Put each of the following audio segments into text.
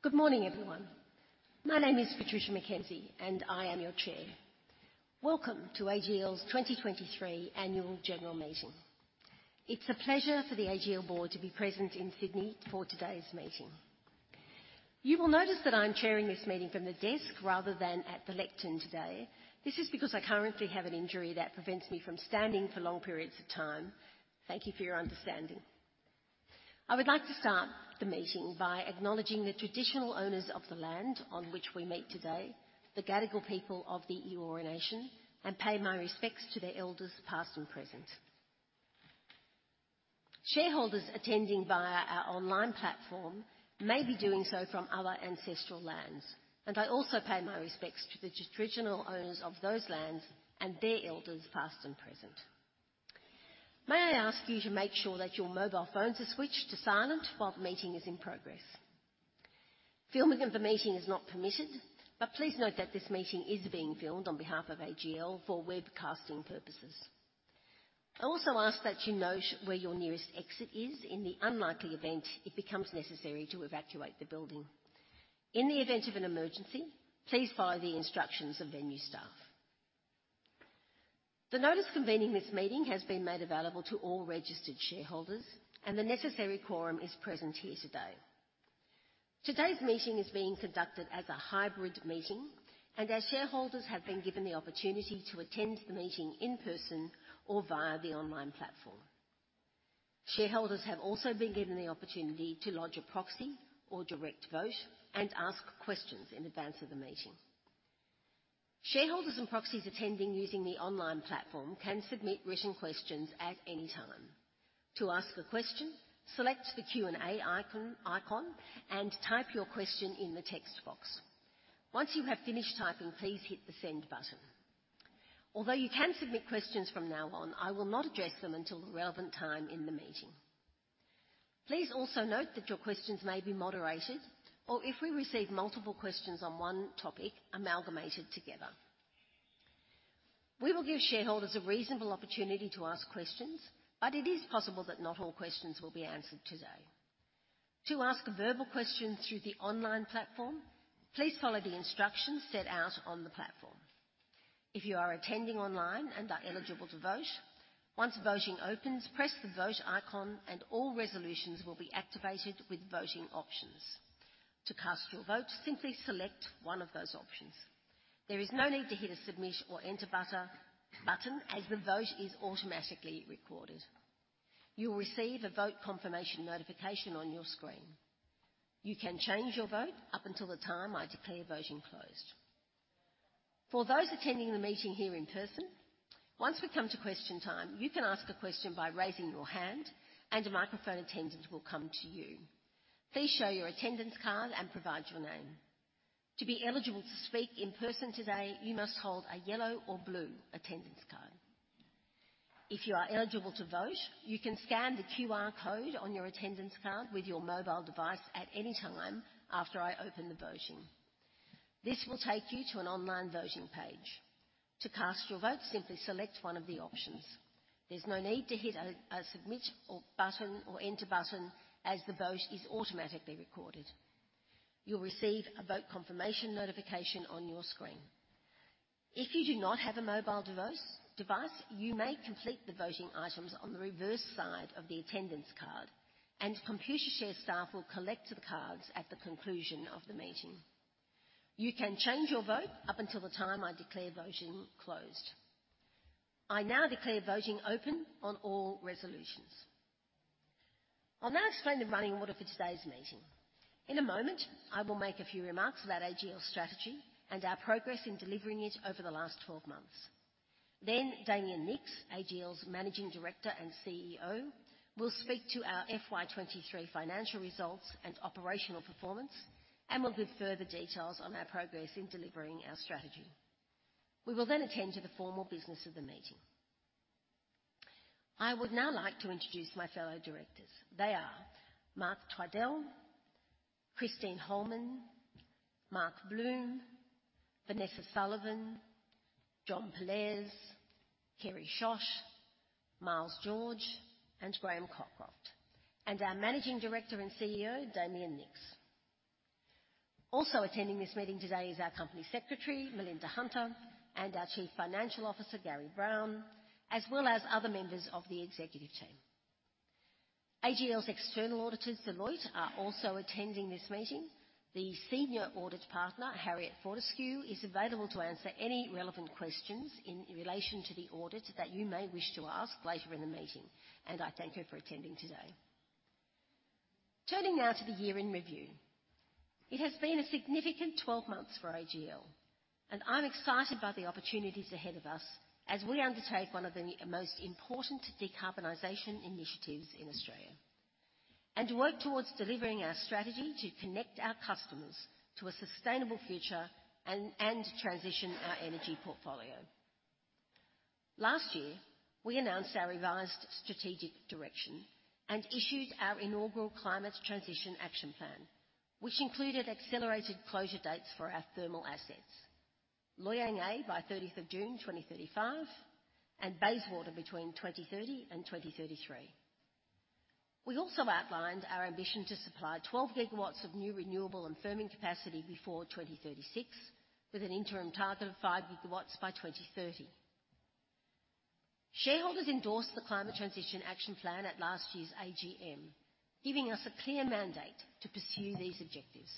Good morning, everyone. My name is Patricia McKenzie, and I am your Chair. Welcome to AGL's 2023 Annual General Meeting. It's a pleasure for the AGL Board to be present in Sydney for today's meeting. You will notice that I'm chairing this meeting from the desk rather than at the lectern today. This is because I currently have an injury that prevents me from standing for long periods of time. Thank you for your understanding. I would like to start the meeting by acknowledging the traditional owners of the land on which we meet today, the Gadigal people of the Eora Nation, and pay my respects to their elders, past and present. Shareholders attending via our online platform may be doing so from other ancestral lands, and I also pay my respects to the traditional owners of those lands and their elders, past and present. May I ask you to make sure that your mobile phones are switched to silent while the meeting is in progress. Filming in the meeting is not permitted, but please note that this meeting is being filmed on behalf of AGL for webcasting purposes. I also ask that you note where your nearest exit is, in the unlikely event it becomes necessary to evacuate the building. In the event of an emergency, please follow the instructions of venue staff. The notice convening this meeting has been made available to all registered shareholders, and the necessary quorum is present here today. Today's meeting is being conducted as a hybrid meeting, and our shareholders have been given the opportunity to attend the meeting in person or via the online platform. Shareholders have also been given the opportunity to lodge a proxy or direct vote and ask questions in advance of the meeting. Shareholders and proxies attending using the online platform can submit written questions at any time. To ask a question, select the Q&A icon and type your question in the text box. Once you have finished typing, please hit the Send button. Although you can submit questions from now on, I will not address them until the relevant time in the meeting. Please also note that your questions may be moderated or if we receive multiple questions on one topic, amalgamated together. We will give shareholders a reasonable opportunity to ask questions, but it is possible that not all questions will be answered today. To ask a verbal question through the online platform, please follow the instructions set out on the platform. If you are attending online and are eligible to vote, once voting opens, press the Vote icon and all resolutions will be activated with voting options. To cast your vote, simply select one of those options. There is no need to hit a Submit or Enter button, as the vote is automatically recorded. You will receive a vote confirmation notification on your screen. You can change your vote up until the time I declare voting closed. For those attending the meeting here in person, once we come to question time, you can ask a question by raising your hand and a microphone attendant will come to you. Please show your attendance card and provide your name. To be eligible to speak in person today, you must hold a yellow or blue attendance card. If you are eligible to vote, you can scan the QR code on your attendance card with your mobile device at any time after I open the voting. This will take you to an online voting page. To cast your vote, simply select one of the options. There's no need to hit a Submit or Button or Enter button, as the vote is automatically recorded. You'll receive a vote confirmation notification on your screen. If you do not have a mobile device, you may complete the voting items on the reverse side of the attendance card, and Computershare staff will collect the cards at the conclusion of the meeting. You can change your vote up until the time I declare voting closed. I now declare voting open on all resolutions. I'll now explain the running order for today's meeting. In a moment, I will make a few remarks about AGL's strategy and our progress in delivering it over the last 12 months. Then Damien Nicks, AGL's Managing Director and CEO, will speak to our FY 2023 financial results and operational performance and will give further details on our progress in delivering our strategy. We will then attend to the formal business of the meeting. I would now like to introduce my fellow directors. They are Mark Twidell, Christine Holman, Mark Bloom, Vanessa Sullivan, John Pollaers, Kerry Schott, Miles George, and Graham Cockroft, and our Managing Director and CEO, Damien Nicks. Also attending this meeting today is our Company Secretary, Melinda Hunter, and our Chief Financial Officer, Gary Brown, as well as other members of the executive team. AGL's external auditors, Deloitte, are also attending this meeting. The Senior Audit Partner, Harriet Fortescue, is available to answer any relevant questions in relation to the audit that you may wish to ask later in the meeting, and I thank her for attending today. Turning now to the year in review. It has been a significant 12 months for AGL, and I'm excited by the opportunities ahead of us as we undertake one of the most important decarbonization initiatives in Australia and work towards delivering our strategy to connect our customers to a sustainable future and transition our energy portfolio. Last year, we announced our revised strategic direction and issued our inaugural Climate Transition Action Plan, which included accelerated closure dates for our thermal assets, Loy Yang A by 30th of June 2035, and Bayswater between 2030 and 2033. We also outlined our ambition to supply 12 GW of new renewable and firming capacity before 2036, with an interim target of 5 GW by 2030. Shareholders endorsed the Climate Transition Action Plan at last year's AGM, giving us a clear mandate to pursue these objectives.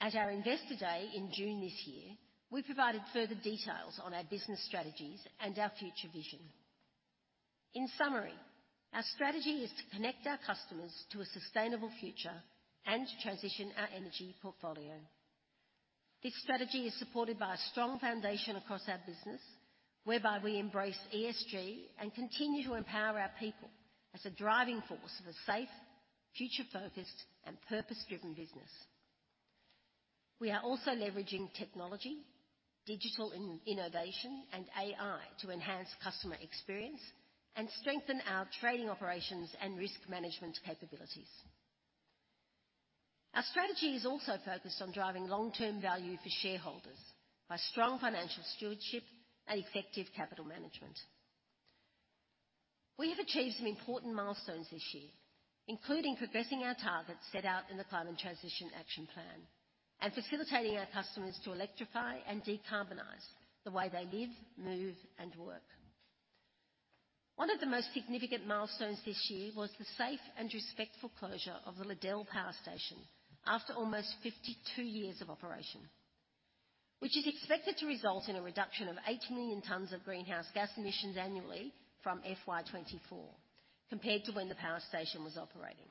At our Investor Day in June this year, we provided further details on our business strategies and our future vision. In summary, our strategy is to connect our customers to a sustainable future and to transition our energy portfolio. This strategy is supported by a strong foundation across our business, whereby we embrace ESG and continue to empower our people as a driving force of a safe, future-focused and purpose-driven business. We are also leveraging technology, digital innovation, and AI to enhance customer experience and strengthen our trading operations and risk management capabilities. Our strategy is also focused on driving long-term value for shareholders by strong financial stewardship and effective capital management. We have achieved some important milestones this year, including progressing our targets set out in the Climate Transition Action Plan and facilitating our customers to electrify and decarbonize the way they live, move, and work. One of the most significant milestones this year was the safe and respectful closure of the Liddell Power Station after almost 52 years of operation, which is expected to result in a reduction of 8 million tons of greenhouse gas emissions annually from FY 2024, compared to when the power station was operating.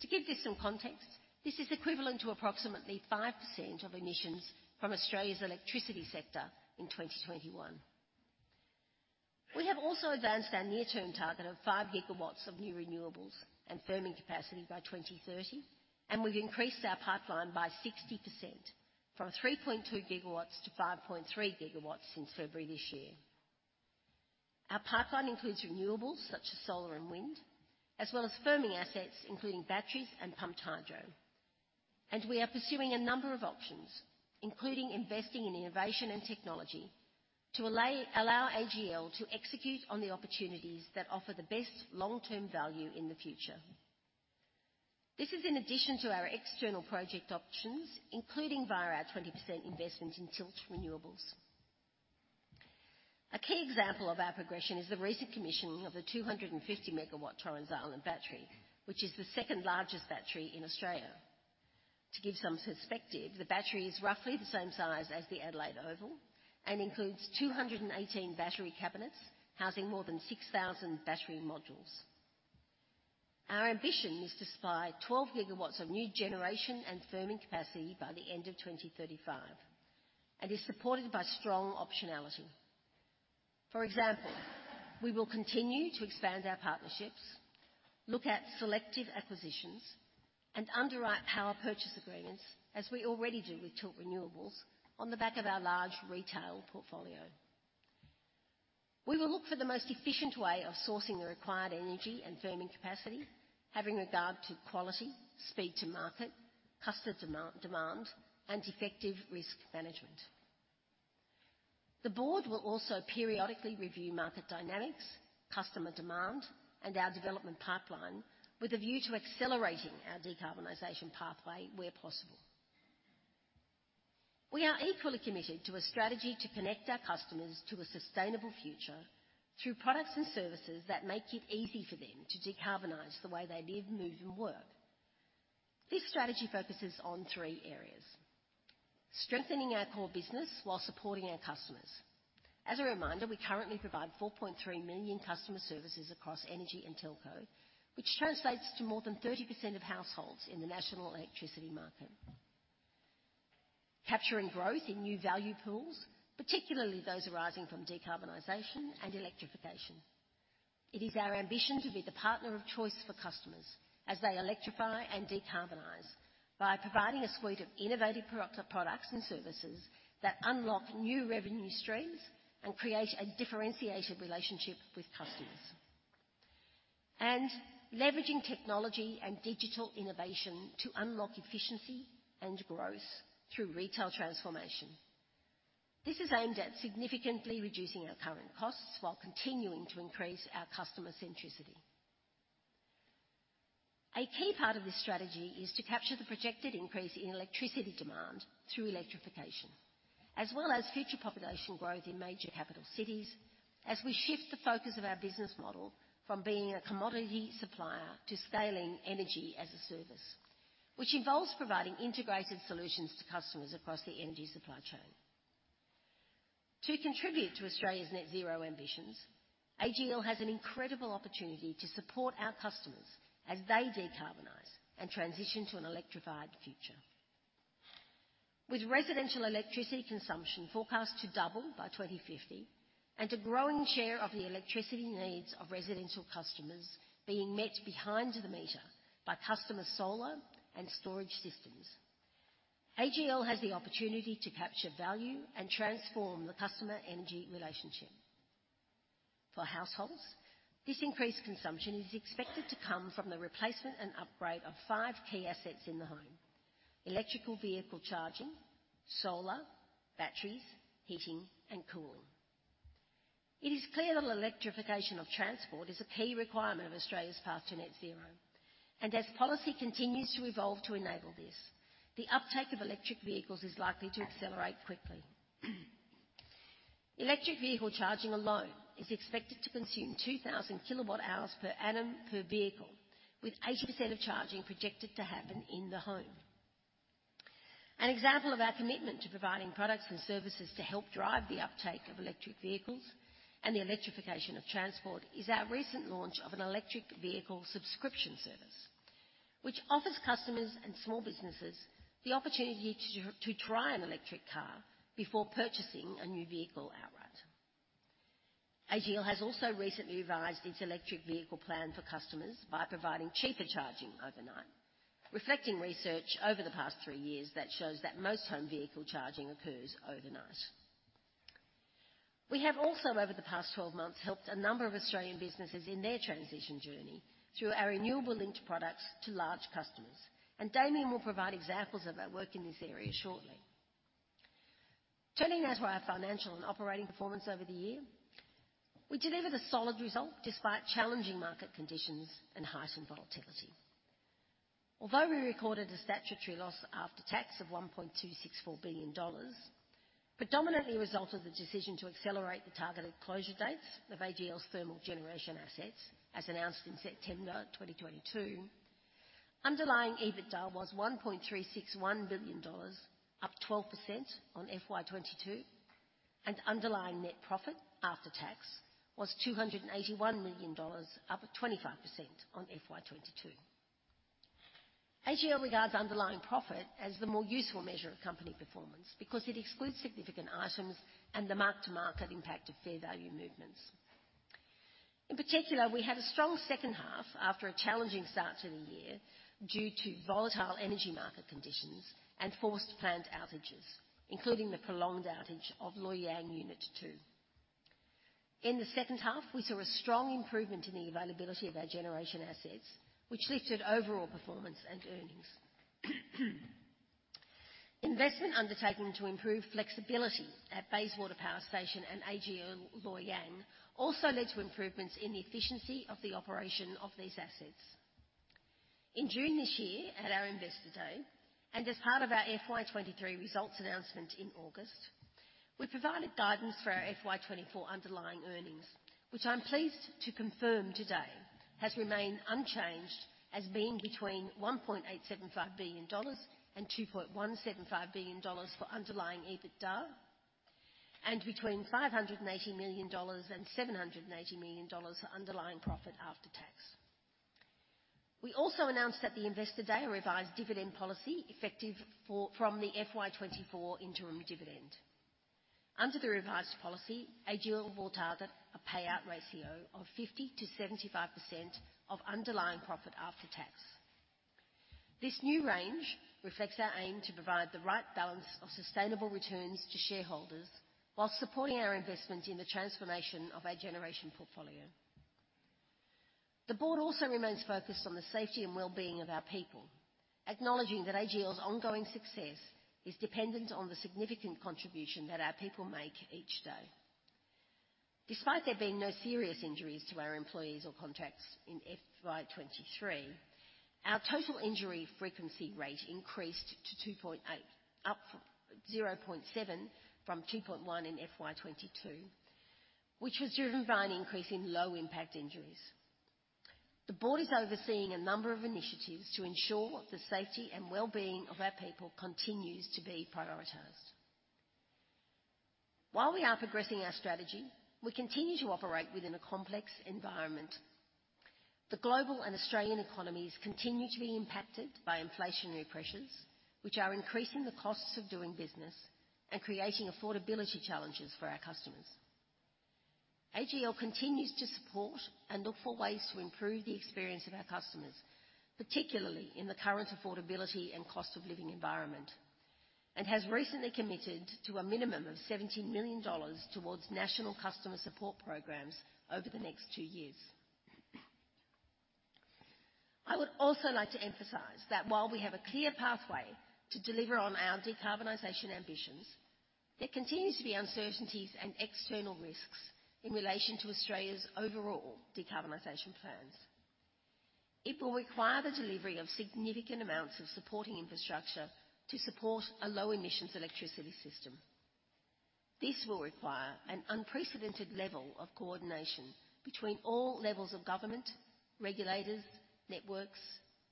To give this some context, this is equivalent to approximately 5% of emissions from Australia's electricity sector in 2021. We have also advanced our near-term target of 5 GW of new renewables and firming capacity by 2030, and we've increased our pipeline by 60%, from 3.2 GW-5.3 GW since February this year. Our pipeline includes renewables such as solar and wind, as well as firming assets, including batteries and pumped hydro. We are pursuing a number of options, including investing in innovation and technology, to allow AGL to execute on the opportunities that offer the best long-term value in the future. This is in addition to our external project options, including via our 20% investment in Tilt Renewables. A key example of our progression is the recent commissioning of the 250 MW Torrens Island battery, which is the second largest battery in Australia. To give some perspective, the battery is roughly the same size as the Adelaide Oval and includes 218 battery cabinets, housing more than 6,000 battery modules. Our ambition is to supply 12 GW of new generation and firming capacity by the end of 2035 and is supported by strong optionality. For example, we will continue to expand our partnerships, look at selective acquisitions, and underwrite power purchase agreements, as we already do with Tilt Renewables, on the back of our large retail portfolio. We will look for the most efficient way of sourcing the required energy and firming capacity, having regard to quality, speed to market, customer demand, and effective risk management. The Board will also periodically review market dynamics, customer demand, and our development pipeline with a view to accelerating our decarbonization pathway where possible. We are equally committed to a strategy to connect our customers to a sustainable future through products and services that make it easy for them to decarbonize the way they live, move, and work. This strategy focuses on three areas: strengthening our core business while supporting our customers. As a reminder, we currently provide 4.3 million customer services across energy and telco, which translates to more than 30% of households in the National Electricity Market. Capturing growth in new value pools, particularly those arising from decarbonization and electrification. It is our ambition to be the partner of choice for customers as they electrify and decarbonize, by providing a suite of innovative products and services that unlock new revenue streams and create a differentiated relationship with customers. Leveraging technology and digital innovation to unlock efficiency and growth through retail transformation. This is aimed at significantly reducing our current costs while continuing to increase our customer centricity. A key part of this strategy is to capture the projected increase in electricity demand through electrification, as well as future population growth in major capital cities, as we shift the focus of our business model from being a commodity supplier to scaling energy as a service, which involves providing integrated solutions to customers across the energy supply chain. To contribute to Australia's net zero ambitions, AGL has an incredible opportunity to support our customers as they decarbonize and transition to an electrified future. With residential electricity consumption forecast to double by 2050 and a growing share of the electricity needs of residential customers being met behind the meter by customer solar and storage systems, AGL has the opportunity to capture value and transform the customer-energy relationship. For households, this increased consumption is expected to come from the replacement and upgrade of five key assets in the home: electric vehicle charging, solar, batteries, heating, and cooling. It is clear that electrification of transport is a key requirement of Australia's path to net zero, and as policy continues to evolve to enable this, the uptake of electric vehicles is likely to accelerate quickly. Electric vehicle charging alone is expected to consume 2,000 kWh per annum per vehicle, with 80% of charging projected to happen in the home. An example of our commitment to providing products and services to help drive the uptake of electric vehicles and the electrification of transport is our recent launch of an electric vehicle subscription service, which offers customers and small businesses the opportunity to try an electric car before purchasing a new vehicle outright. AGL has also recently revised its electric vehicle plan for customers by providing cheaper charging overnight, reflecting research over the past three years that shows that most home vehicle charging occurs overnight. We have also, over the past 12 months, helped a number of Australian businesses in their transition journey through our renewable linked products to large customers, and Damien will provide examples of our work in this area shortly. Turning now to our financial and operating performance over the year, we delivered a solid result despite challenging market conditions and heightened volatility. Although we recorded a statutory loss after tax of 1.264 billion dollars, predominantly a result of the decision to accelerate the targeted closure dates of AGL's thermal generation assets, as announced in September 2022. Underlying EBITDA was 1.361 billion dollars, up 12% on FY 2022, and underlying net profit after tax was 281 million dollars, up 25% on FY 2022. AGL regards underlying profit as the more useful measure of company performance because it excludes significant items and the mark-to-market impact of fair value movements. In particular, we had a strong second half after a challenging start to the year due to volatile energy market conditions and forced plant outages, including the prolonged outage of Loy Yang Unit 2. In the second half, we saw a strong improvement in the availability of our generation assets, which lifted overall performance and earnings. Investment undertaken to improve flexibility at Bayswater Power Station and AGL Loy Yang also led to improvements in the efficiency of the operation of these assets. In June this year, at our Investor Day, and as part of our FY 2023 results announcement in August, we provided guidance for our FY 2024 underlying earnings, which I'm pleased to confirm today has remained unchanged as being between 1.875 billion dollars and 2.175 billion dollars for underlying EBITDA, and between 580 million dollars and 780 million dollars for underlying profit after tax. We also announced at the Investor Day a revised dividend policy, effective from the FY 2024 interim dividend. Under the revised policy, AGL will target a payout ratio of 50%-75% of underlying profit after tax. This new range reflects our aim to provide the right balance of sustainable returns to shareholders while supporting our investment in the transformation of our generation portfolio. The Board also remains focused on the safety and well-being of our people, acknowledging that AGL's ongoing success is dependent on the significant contribution that our people make each day. Despite there being no serious injuries to our employees or contractors in FY 2023, our total injury frequency rate increased to 2.8, up 0.7 from 2.1 in FY 2022, which was driven by an increase in low-impact injuries. The Board is overseeing a number of initiatives to ensure the safety and well-being of our people continues to be prioritized. While we are progressing our strategy, we continue to operate within a complex environment. The global and Australian economies continue to be impacted by inflationary pressures, which are increasing the costs of doing business and creating affordability challenges for our customers. AGL continues to support and look for ways to improve the experience of our customers, particularly in the current affordability and cost of living environment, and has recently committed to a minimum of 17 million dollars towards national customer support programs over the next two years. I would also like to emphasize that while we have a clear pathway to deliver on our decarbonization ambitions, there continues to be uncertainties and external risks in relation to Australia's overall decarbonization plans. It will require the delivery of significant amounts of supporting infrastructure to support a low emissions electricity system. This will require an unprecedented level of coordination between all levels of government, regulators, networks,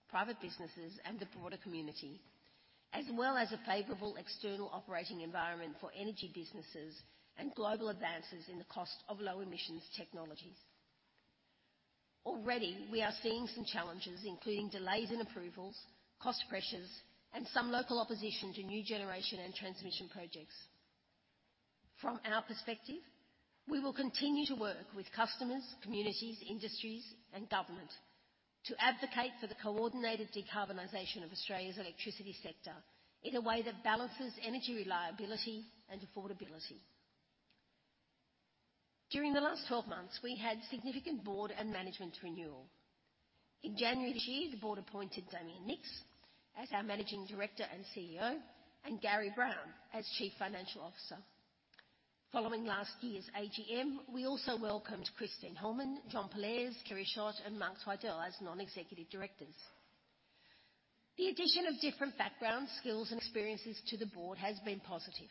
private businesses, and the broader community, as well as a favorable external operating environment for energy businesses and global advances in the cost of low emissions technologies. Already, we are seeing some challenges, including delays in approvals, cost pressures, and some local opposition to new generation and transmission projects. From our perspective, we will continue to work with customers, communities, industries, and government to advocate for the coordinated decarbonization of Australia's electricity sector in a way that balances energy reliability and affordability. During the last 12 months, we had significant Board and management renewal. In January this year, the Board appointed Damien Nicks as our Managing Director and CEO, and Gary Brown as Chief Financial Officer. Following last year's AGM, we also welcomed Christine Holman, John Pollaers, Kerry Schott, and Mark Twidell as Non-executive Directors. The addition of different backgrounds, skills, and experiences to the Board has been positive,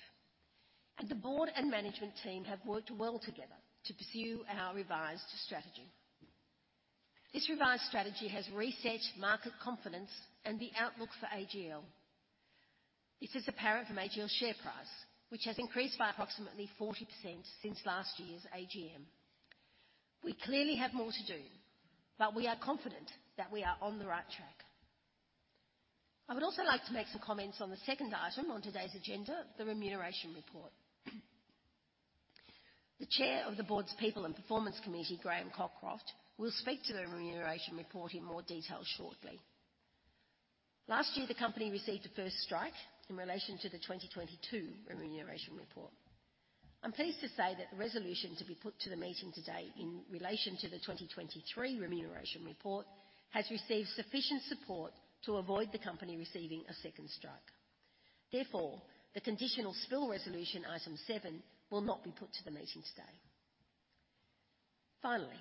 and the Board and Management team have worked well together to pursue our revised strategy. This revised strategy has reset market confidence and the outlook for AGL. This is apparent from AGL's share price, which has increased by approximately 40% since last year's AGM. We clearly have more to do, but we are confident that we are on the right track. I would also like to make some comments on the second item on today's agenda, the Remuneration Report. The Chair of the Board's People and Performance Committee, Graham Cockcroft, will speak to the Remuneration Report in more detail shortly. Last year, the company received a first strike in relation to the 2022 Remuneration Report. I'm pleased to say that the resolution to be put to the meeting today in relation to the 2023 Remuneration Report, has received sufficient support to avoid the company receiving a second strike. Therefore, the Conditional Spill Resolution, Item 7, will not be put to the meeting today. Finally,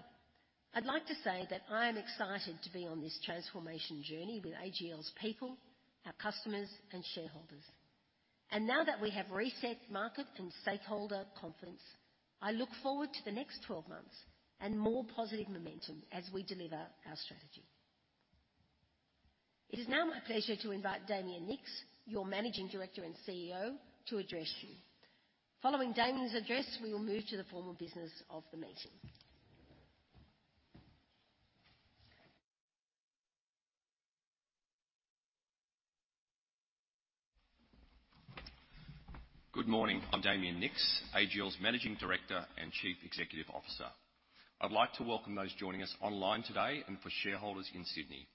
I'd like to say that I am excited to be on this transformation journey with AGL's people, our customers, and shareholders. Now that we have reset market and stakeholder confidence, I look forward to the next 12 months and more positive momentum as we deliver our strategy. It is now my pleasure to invite Damien Nicks, your Managing Director and CEO, to address you. Following Damien's address, we will move to the formal business of the meeting. Good morning, I'm Damien Nicks, AGL's Managing Director and Chief Executive Officer. I'd like to welcome those joining us online today and for shareholders in Sydney.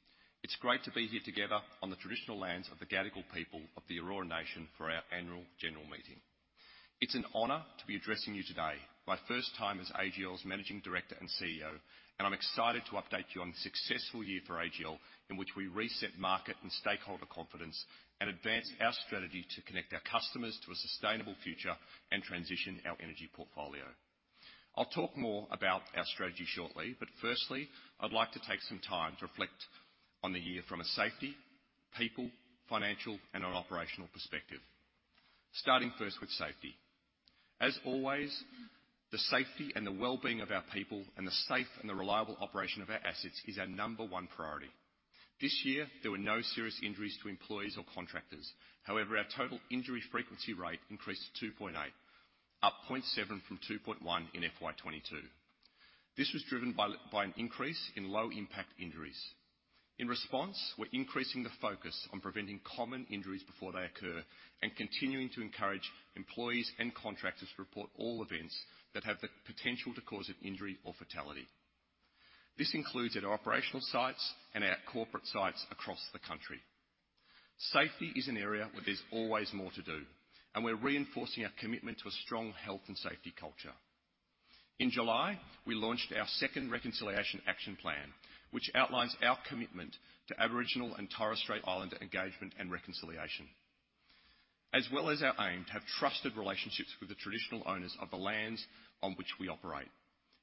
It's great to be here together on the traditional lands of the Gadigal people of the Eora nation for our Annual General Meeting. It's an honor to be addressing you today, my first time as AGL's Managing Director and CEO, and I'm excited to update you on the successful year for AGL, in which we reset market and stakeholder confidence, and advanced our strategy to connect our customers to a sustainable future and transition our energy portfolio. I'll talk more about our strategy shortly, but firstly, I'd like to take some time to reflect on the year from a safety, people, financial, and an operational perspective. Starting first with safety. As always, the safety and the well-being of our people, and the safe and the reliable operation of our assets, is our number one priority. This year, there were no serious injuries to employees or contractors. However, our total injury frequency rate increased to 2.8, up 0.7 from 2.1 in FY 2022. This was driven by an increase in low-impact injuries. In response, we're increasing the focus on preventing common injuries before they occur and continuing to encourage employees and contractors to report all events that have the potential to cause an injury or fatality. This includes at our operational sites and our corporate sites across the country. Safety is an area where there's always more to do, and we're reinforcing our commitment to a strong health and safety culture. In July, we launched our second Reconciliation Action Plan, which outlines our commitment to Aboriginal and Torres Strait Islander engagement and reconciliation, as well as our aim to have trusted relationships with the traditional owners of the lands on which we operate,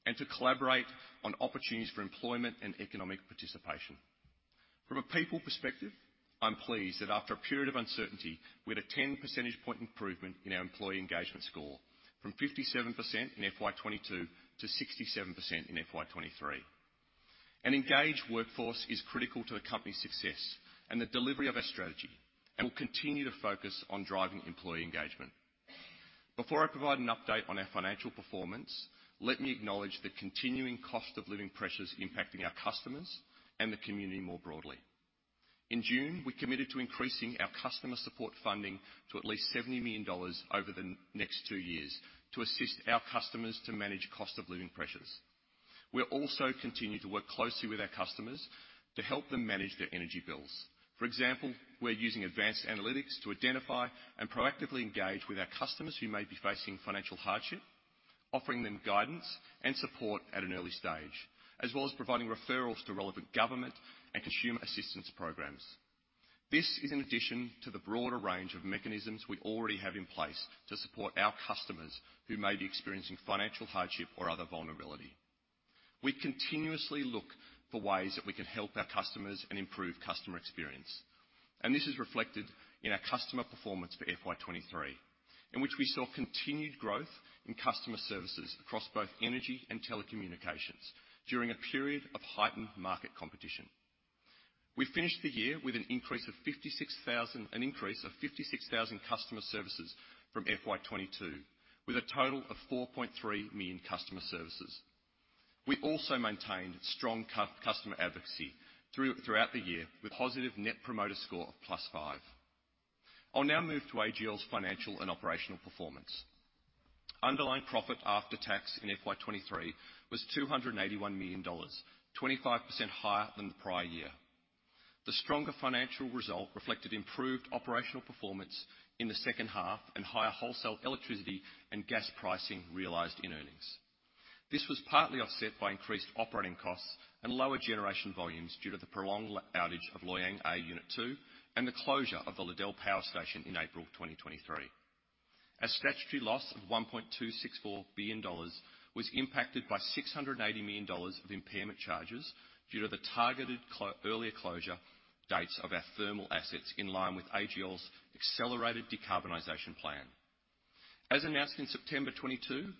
and to collaborate on opportunities for employment and economic participation. From a people perspective, I'm pleased that after a period of uncertainty, we had a 10 percentage point improvement in our employee engagement score, from 57% in FY 2022 to 67% in FY 2023. An engaged workforce is critical to the company's success and the delivery of our strategy, and we'll continue to focus on driving employee engagement. Before I provide an update on our financial performance, let me acknowledge the continuing cost of living pressures impacting our customers and the community more broadly. In June, we committed to increasing our customer support funding to at least 70 million dollars over the next two years to assist our customers to manage cost-of-living pressures. We're also continuing to work closely with our customers to help them manage their energy bills. For example, we're using advanced analytics to identify and proactively engage with our customers who may be facing financial hardship, offering them guidance and support at an early stage, as well as providing referrals to relevant government and consumer assistance programs. This is in addition to the broader range of mechanisms we already have in place to support our customers who may be experiencing financial hardship or other vulnerability. We continuously look for ways that we can help our customers and improve customer experience, and this is reflected in our customer performance for FY 2023, in which we saw continued growth in customer services across both energy and telecommunications during a period of heightened market competition. We finished the year with an increase of 56,000 customer services from FY 2022, with a total of 4.3 million customer services.... We also maintained strong customer advocacy throughout the year, with positive Net Promoter Score of +5. I'll now move to AGL's financial and operational performance. Underlying profit after tax in FY 2023 was AUD 281 million, 25% higher than the prior year. The stronger financial result reflected improved operational performance in the second half, and higher wholesale electricity and gas pricing realized in earnings. This was partly offset by increased operating costs and lower generation volumes due to the prolonged outage of Loy Yang A Unit 2, and the closure of the Liddell Power Station in April 2023. Our statutory loss of 1.264 billion dollars was impacted by 680 million dollars of impairment charges due to the targeted earlier closure dates of our thermal assets, in line with AGL's accelerated decarbonization plan. As announced in September 2022,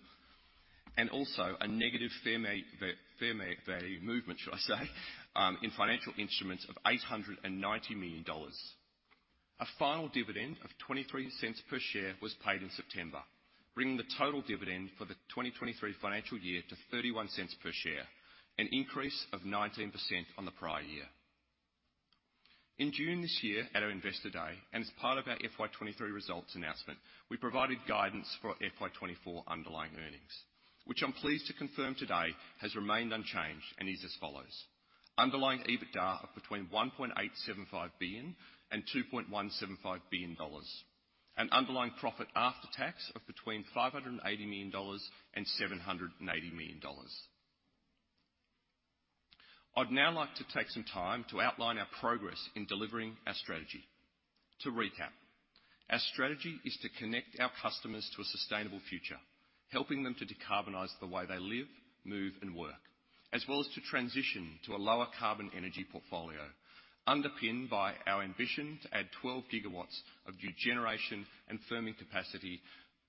and also a negative fair value movement, should I say, in financial instruments of 890 million dollars. A final dividend of 0.23 per share was paid in September, bringing the total dividend for the 2023 financial year to 0.31 per share, an increase of 19% on the prior year. In June this year, at our Investor Day, and as part of our FY 2023 results announcement, we provided guidance for our FY 2024 underlying earnings, which I'm pleased to confirm today has remained unchanged and is as follows: underlying EBITDA of between AUD 1.875 billion and AUD 2.175 billion, and underlying profit after tax of between AUD 580 million and AUD 780 million. I'd now like to take some time to outline our progress in delivering our strategy. To recap, our strategy is to connect our customers to a sustainable future, helping them to decarbonize the way they live, move, and work, as well as to transition to a lower carbon energy portfolio, underpinned by our ambition to add 12 GW of new generation and firming capacity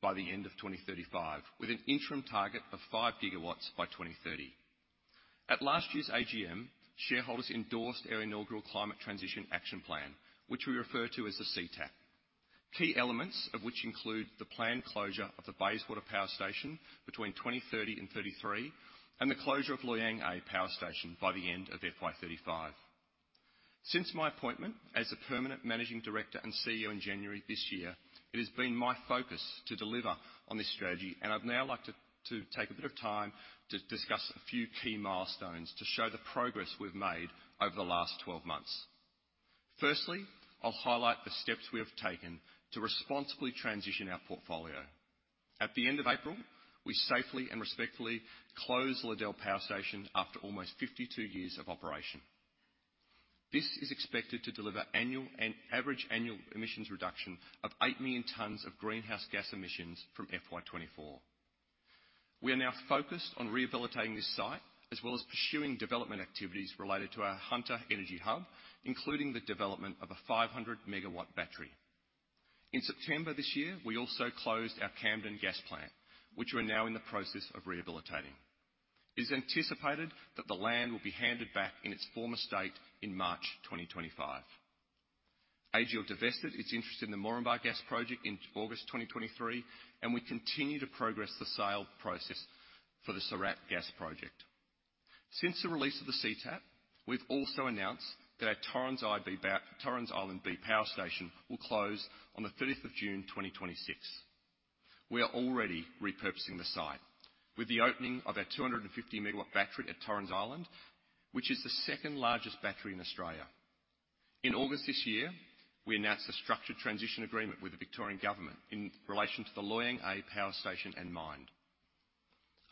by the end of 2035, with an interim target of 5 GW by 2030. At last year's AGM, shareholders endorsed our inaugural Climate Transition Action Plan, which we refer to as the CTAP. Key elements of which include the planned closure of the Bayswater Power Station between 2030 and 2033, and the closure of Loy Yang A Power Station by the end of FY 2035. Since my appointment as the permanent Managing Director and CEO in January this year, it has been my focus to deliver on this strategy, and I'd now like to take a bit of time to discuss a few key milestones to show the progress we've made over the last 12 months. Firstly, I'll highlight the steps we have taken to responsibly transition our portfolio. At the end of April, we safely and respectfully closed Liddell Power Station after almost 52 years of operation. This is expected to deliver annual and average annual emissions reduction of 8 million tons of greenhouse gas emissions from FY 2024. We are now focused on rehabilitating this site, as well as pursuing development activities related to our Hunter Energy Hub, including the development of a 500 MW battery. In September this year, we also closed our Camden Gas Plant, which we're now in the process of rehabilitating. It is anticipated that the land will be handed back in its former state in March 2025. AGL divested its interest in the Moranbah Gas Project in August 2023, and we continue to progress the sale process for the Surat Gas Project. Since the release of the CTAP, we've also announced that our Torrens Island B Power Station will close on the 30th of June, 2026. We are already repurposing the site, with the opening of our 250 MW battery at Torrens Island, which is the second largest battery in Australia. In August this year, we announced a structured transition agreement with the Victorian Government in relation to the Loy Yang A Power Station and mine.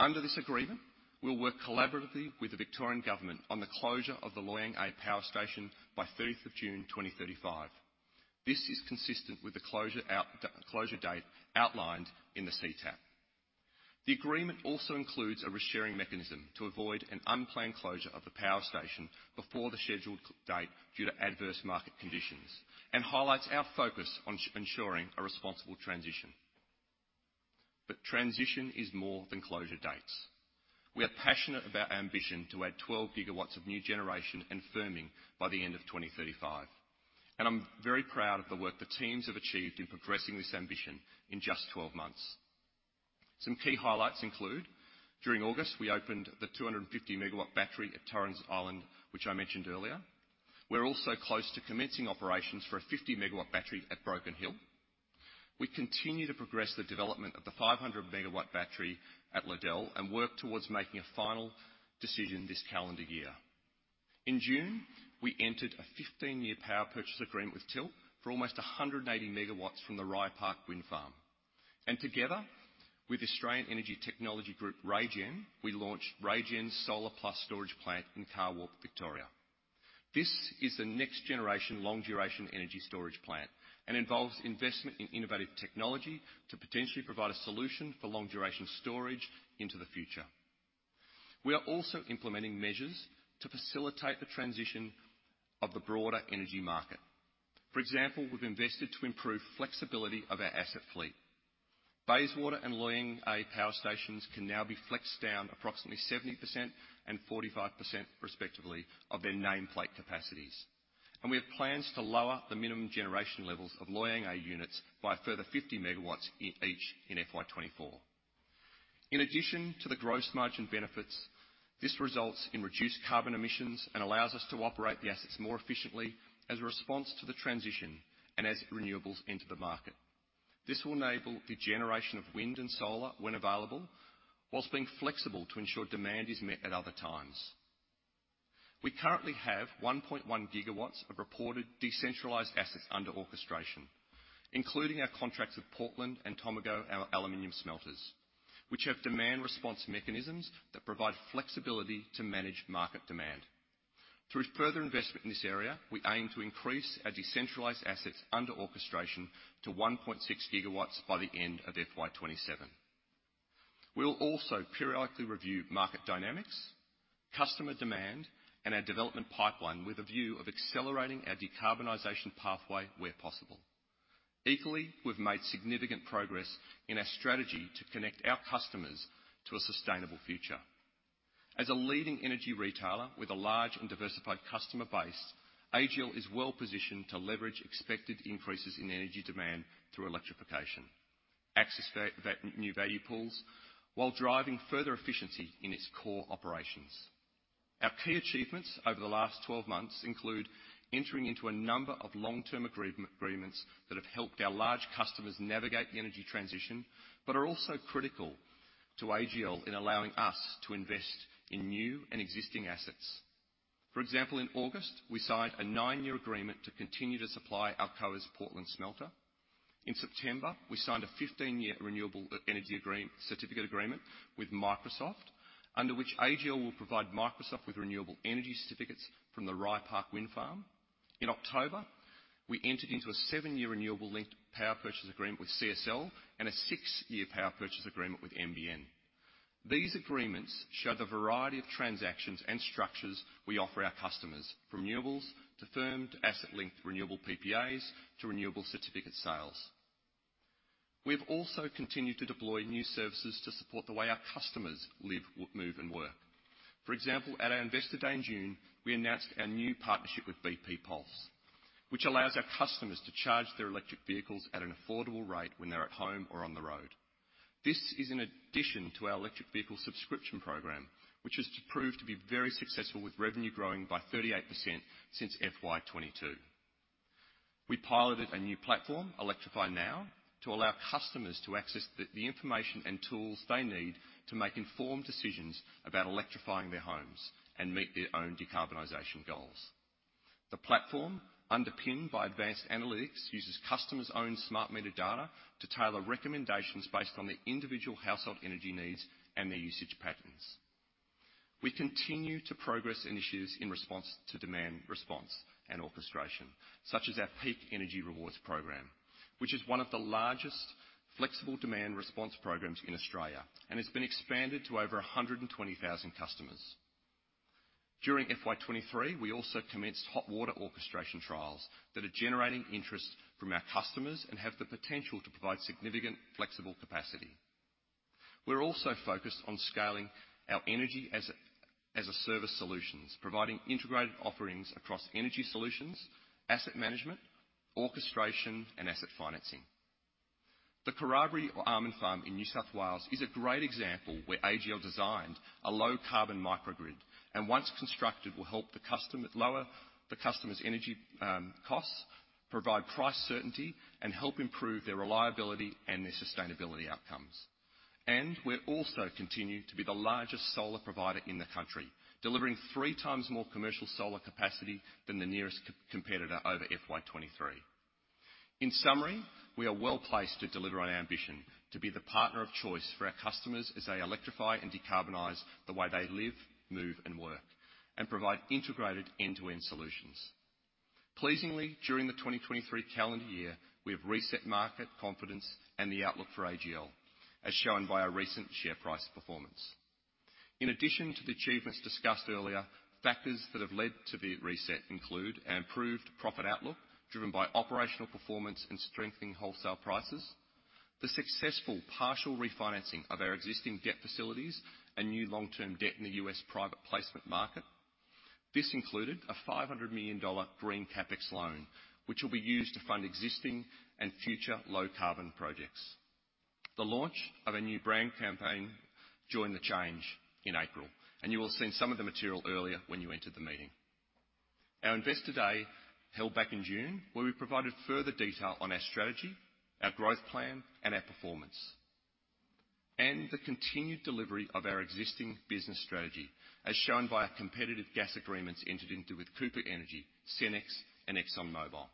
Under this agreement, we'll work collaboratively with the Victorian Government on the closure of the Loy Yang A Power Station by 30th of June, 2035. This is consistent with the closure date outlined in the CTAP. The agreement also includes a risk-sharing mechanism to avoid an unplanned closure of the power station before the scheduled date due to adverse market conditions, and highlights our focus on ensuring a responsible transition. But transition is more than closure dates. We are passionate about our ambition to add 12 GW of new generation and firming by the end of 2035, and I'm very proud of the work the teams have achieved in progressing this ambition in just 12 months. Some key highlights include: during August, we opened the 250 MW battery at Torrens Island, which I mentioned earlier. We're also close to commencing operations for a 50 MW battery at Broken Hill. We continue to progress the development of the 500 MW battery at Liddell, and work towards making a final decision this calendar year. In June, we entered a 15-year power purchase agreement with Tilt for almost 180 MW from the Rye Park Wind Farm. Together with Australian energy technology group, RayGen, we launched RayGen's Solar Plus Storage Plant in Carwarp, Victoria. This is the next generation, long-duration energy storage plant, and involves investment in innovative technology to potentially provide a solution for long-duration storage into the future. We are also implementing measures to facilitate the transition of the broader energy market. For example, we've invested to improve flexibility of our asset fleet. Bayswater and Loy Yang A power stations can now be flexed down approximately 70% and 45%, respectively, of their nameplate capacities. And we have plans to lower the minimum generation levels of Loy Yang A units by a further 50 MW each in FY 2024. In addition to the gross margin benefits, this results in reduced carbon emissions and allows us to operate the assets more efficiently as a response to the transition and as renewables enter the market. This will enable the generation of wind and solar when available, while being flexible to ensure demand is met at other times. We currently have 1.1 GW of reported decentralized assets under orchestration, including our contracts with Portland and Tomago, our aluminum smelters, which have demand response mechanisms that provide flexibility to manage market demand. Through further investment in this area, we aim to increase our decentralized assets under orchestration to 1.6 GW by the end of FY 2027. We'll also periodically review market dynamics, customer demand, and our development pipeline with a view of accelerating our decarbonization pathway where possible. Equally, we've made significant progress in our strategy to connect our customers to a sustainable future. As a leading energy retailer with a large and diversified customer base, AGL is well positioned to leverage expected increases in energy demand through electrification, access to new value pools, while driving further efficiency in its core operations. Our key achievements over the last 12 months include entering into a number of long-term agreements that have helped our large customers navigate the energy transition, but are also critical to AGL in allowing us to invest in new and existing assets. For example, in August, we signed a nine-year agreement to continue to supply Alcoa's Portland smelter. In September, we signed a 15-year renewable energy certificate agreement with Microsoft, under which AGL will provide Microsoft with renewable energy certificates from the Rye Park Wind Farm. In October, we entered into a seven-year renewable linked power purchase agreement with CSL and a six-year power purchase agreement with nbn. These agreements show the variety of transactions and structures we offer our customers, from renewables to firmed asset linked renewable PPAs to renewable certificate sales. We've also continued to deploy new services to support the way our customers live, move, and work. For example, at our Investor Day in June, we announced our new partnership with bp pulse, which allows our customers to charge their electric vehicles at an affordable rate when they're at home or on the road. This is in addition to our electric vehicle subscription program, which has proved to be very successful, with revenue growing by 38% since FY 2022. We piloted a new platform, Electrify Now, to allow customers to access the information and tools they need to make informed decisions about electrifying their homes and meet their own decarbonization goals. The platform, underpinned by advanced analytics, uses customers' own smart meter data to tailor recommendations based on their individual household energy needs and their usage patterns. We continue to progress initiatives in response to demand response and orchestration, such as our Peak Energy Rewards program, which is one of the largest flexible demand response programs in Australia and has been expanded to over 120,000 customers. During FY 2023, we also commenced hot water orchestration trials that are generating interest from our customers and have the potential to provide significant flexible capacity. We're also focused on scaling our energy-as-a-service solutions, providing integrated offerings across energy solutions, asset management, orchestration, and asset financing. The Kerarbury Almond Farm in New South Wales is a great example where AGL designed a low-carbon microgrid, and once constructed, will help the customer lower the customer's energy costs, provide price certainty, and help improve their reliability and their sustainability outcomes. We're also continued to be the largest solar provider in the country, delivering three times more commercial solar capacity than the nearest competitor over FY 2023. In summary, we are well placed to deliver on our ambition to be the partner of choice for our customers as they electrify and decarbonize the way they live, move, and work, and provide integrated end-to-end solutions. Pleasingly, during the 2023 calendar year, we have reset market confidence and the outlook for AGL, as shown by our recent share price performance. In addition to the achievements discussed earlier, factors that have led to the reset include an improved profit outlook, driven by operational performance and strengthening wholesale prices, the successful partial refinancing of our existing debt facilities, and new long-term debt in the U.S. private placement market. This included a $500 million green CapEx loan, which will be used to fund existing and future low-carbon projects. The launch of a new brand campaign, Join the Change, in April, and you will have seen some of the material earlier when you entered the meeting. Our Investor Day, held back in June, where we provided further detail on our strategy, our growth plan, and our performance, and the continued delivery of our existing business strategy, as shown by our competitive gas agreements entered into with Cooper Energy, Senex, and ExxonMobil.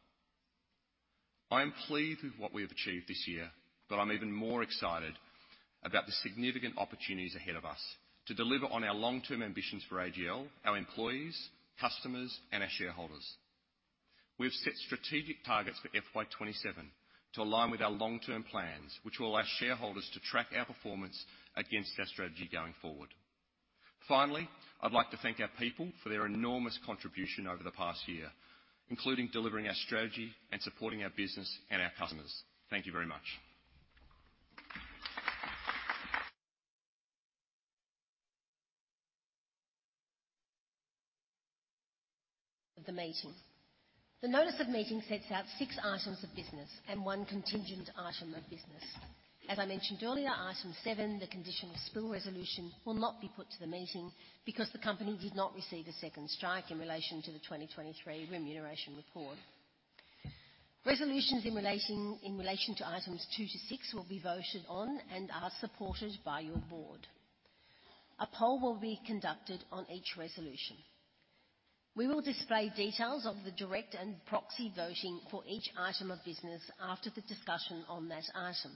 I am pleased with what we have achieved this year, but I'm even more excited about the significant opportunities ahead of us to deliver on our long-term ambitions for AGL, our employees, customers, and our shareholders. We have set strategic targets for FY 2027 to align with our long-term plans, which will allow shareholders to track our performance against our strategy going forward. Finally, I'd like to thank our people for their enormous contribution over the past year, including delivering our strategy and supporting our business and our customers. Thank you very much.... of the meeting. The notice of meeting sets out six items of business and one contingent item of business. As I mentioned earlier, Item 7, the Conditional Spill Resolution, will not be put to the meeting because the company did not receive a second strike in relation to the 2023 Remuneration Report. Resolutions in relation to Items 2 to 6 will be voted on and are supported by your Board. A poll will be conducted on each resolution. We will display details of the direct and proxy voting for each item of business after the discussion on that item.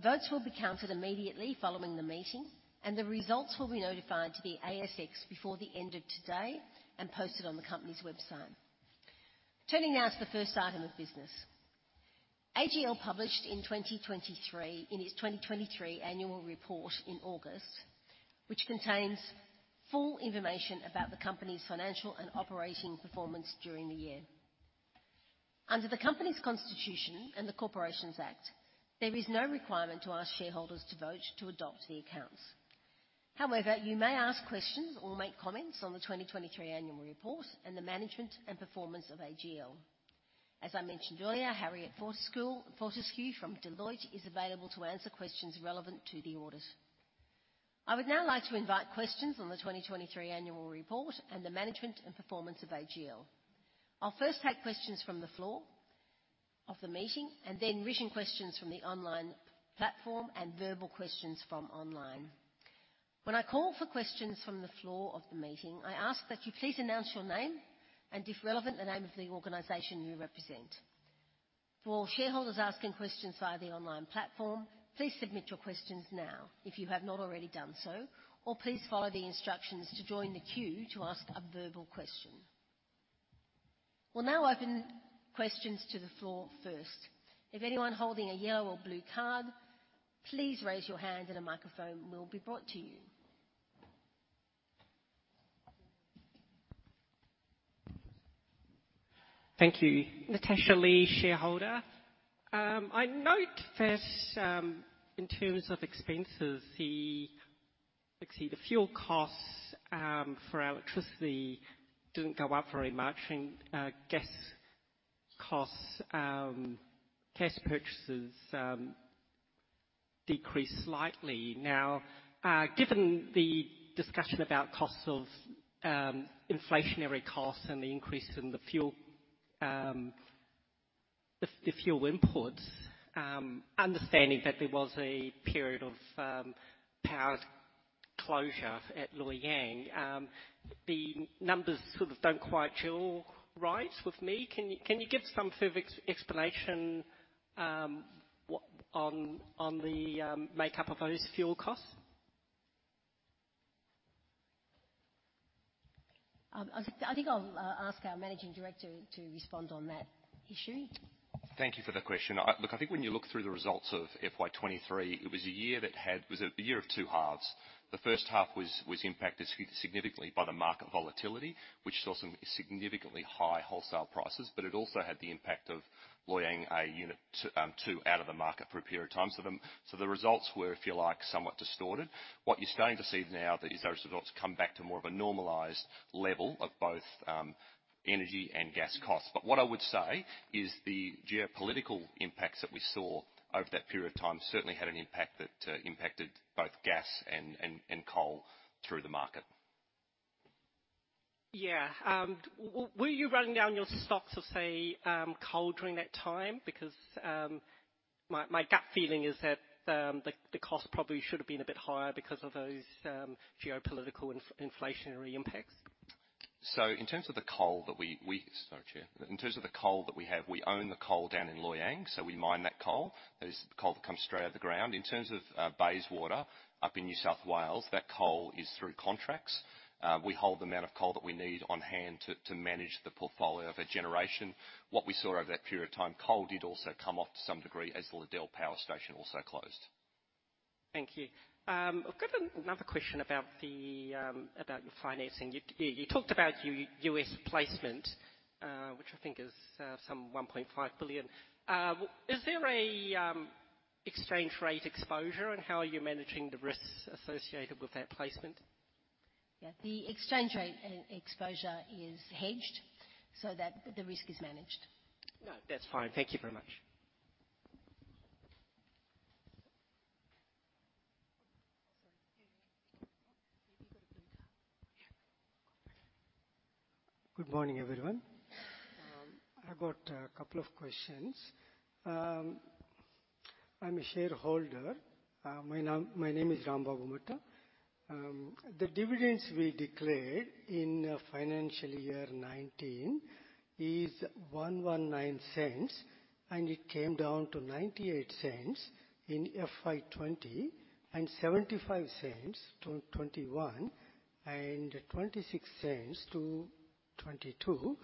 Votes will be counted immediately following the meeting, and the results will be notified to the ASX before the end of today and posted on the company's website. Turning now to the first item of business. AGL published in 2023, in its 2023 annual report in August, which contains full information about the company's financial and operating performance during the year. Under the company's Constitution and the Corporations Act, there is no requirement to ask shareholders to vote to adopt the accounts. However, you may ask questions or make comments on the 2023 annual report and the management and performance of AGL. As I mentioned earlier, Harriet Fortescue from Deloitte is available to answer questions relevant to the audits. I would now like to invite questions on the 2023 annual report and the management and performance of AGL. I'll first take questions from the floor of the meeting and then written questions from the online platform and verbal questions from online. When I call for questions from the floor of the meeting, I ask that you please announce your name and, if relevant, the name of the organization you represent. For shareholders asking questions via the online platform, please submit your questions now if you have not already done so, or please follow the instructions to join the queue to ask a verbal question. We'll now open questions to the floor first. If anyone holding a yellow or blue card, please raise your hand and a microphone will be brought to you. Thank you. Natasha Lee, shareholder. I note that, in terms of expenses, the... Let's see, the fuel costs for electricity didn't go up very much, and, gas costs, gas purchases, decreased slightly. Now, given the discussion about costs of, inflationary costs and the increase in the fuel, the fuel imports, understanding that there was a period of, power closure at Loy Yang, the numbers sort of don't quite gel right with me. Can you give some further explanation on the makeup of those fuel costs? I think I'll ask our Managing Director to respond on that issue. Thank you for the question. Look, I think when you look through the results of FY 2023, it was a year that had... It was a year of 2 halves. The first half was impacted significantly by the market volatility, which saw some significantly high wholesale prices, but it also had the impact of Loy Yang A Unit 2 out of the market for a period of time. So the results were, if you like, somewhat distorted. What you're starting to see now that is those results come back to more of a normalized level of both energy and gas costs. But what I would say is the geopolitical impacts that we saw over that period of time certainly had an impact that impacted both gas and coal through the market. Yeah. Were you running down your stocks of, say, coal during that time? Because, my gut feeling is that, the cost probably should have been a bit higher because of those, geopolitical inflationary impacts. So in terms of the coal that we have, Sorry, Chair. We own the coal down in Loy Yang, so we mine that coal. That is the coal that comes straight out of the ground. In terms of Bayswater, up in New South Wales, that coal is through contracts. We hold the amount of coal that we need on hand to manage the portfolio of a generation. What we saw over that period of time, coal did also come off to some degree as the Liddell Power Station also closed. Thank you. I've got another question about the, about the financing. You talked about U.S. placement, which I think is some $1.5 billion. Is there a, exchange rate exposure, and how are you managing the risks associated with that placement? Yeah. The exchange rate exposure is hedged so that the risk is managed. No, that's fine. Thank you very much. Sorry. You got a blue card. Yeah. Good morning, everyone. I've got a couple of questions. I'm a shareholder. My name is Rambabu Mata. The dividends we declared in financial year 2019 is 1.19, and it came down to 0.98 in FY 2020, and 0.75, 2021, and 0.26 to 2022,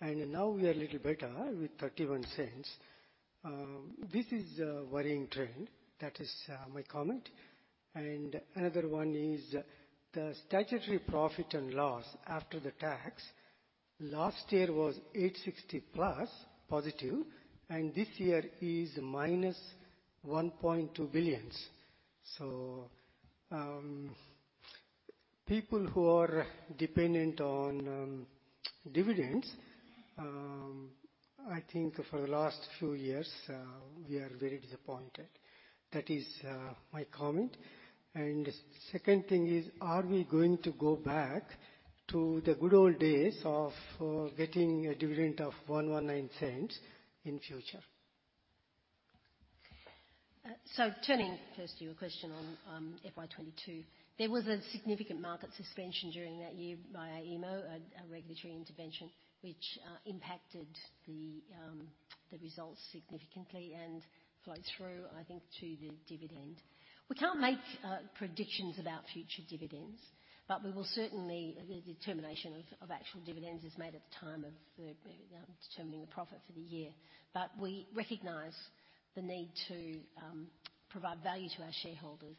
and now we are a little better with 0.31. This is a worrying trend. That is my comment. And another one is the statutory profit and loss after the tax. Last year was 860+ million positive, and this year is -1.2 billion. So, people who are dependent on dividends, I think for the last few years, we are very disappointed. That is my comment. Second thing is, are we going to go back to the good old days of getting a dividend of 1.19 in future? So turning first to your question on FY 2022, there was a significant market suspension during that year by AEMO, a regulatory intervention, which impacted the the results significantly and flowed through, I think, to the dividend. We can't make predictions about future dividends, but we will certainly... The determination of actual dividends is made at the time of the determining the profit for the year. But we recognize the need to provide value to our shareholders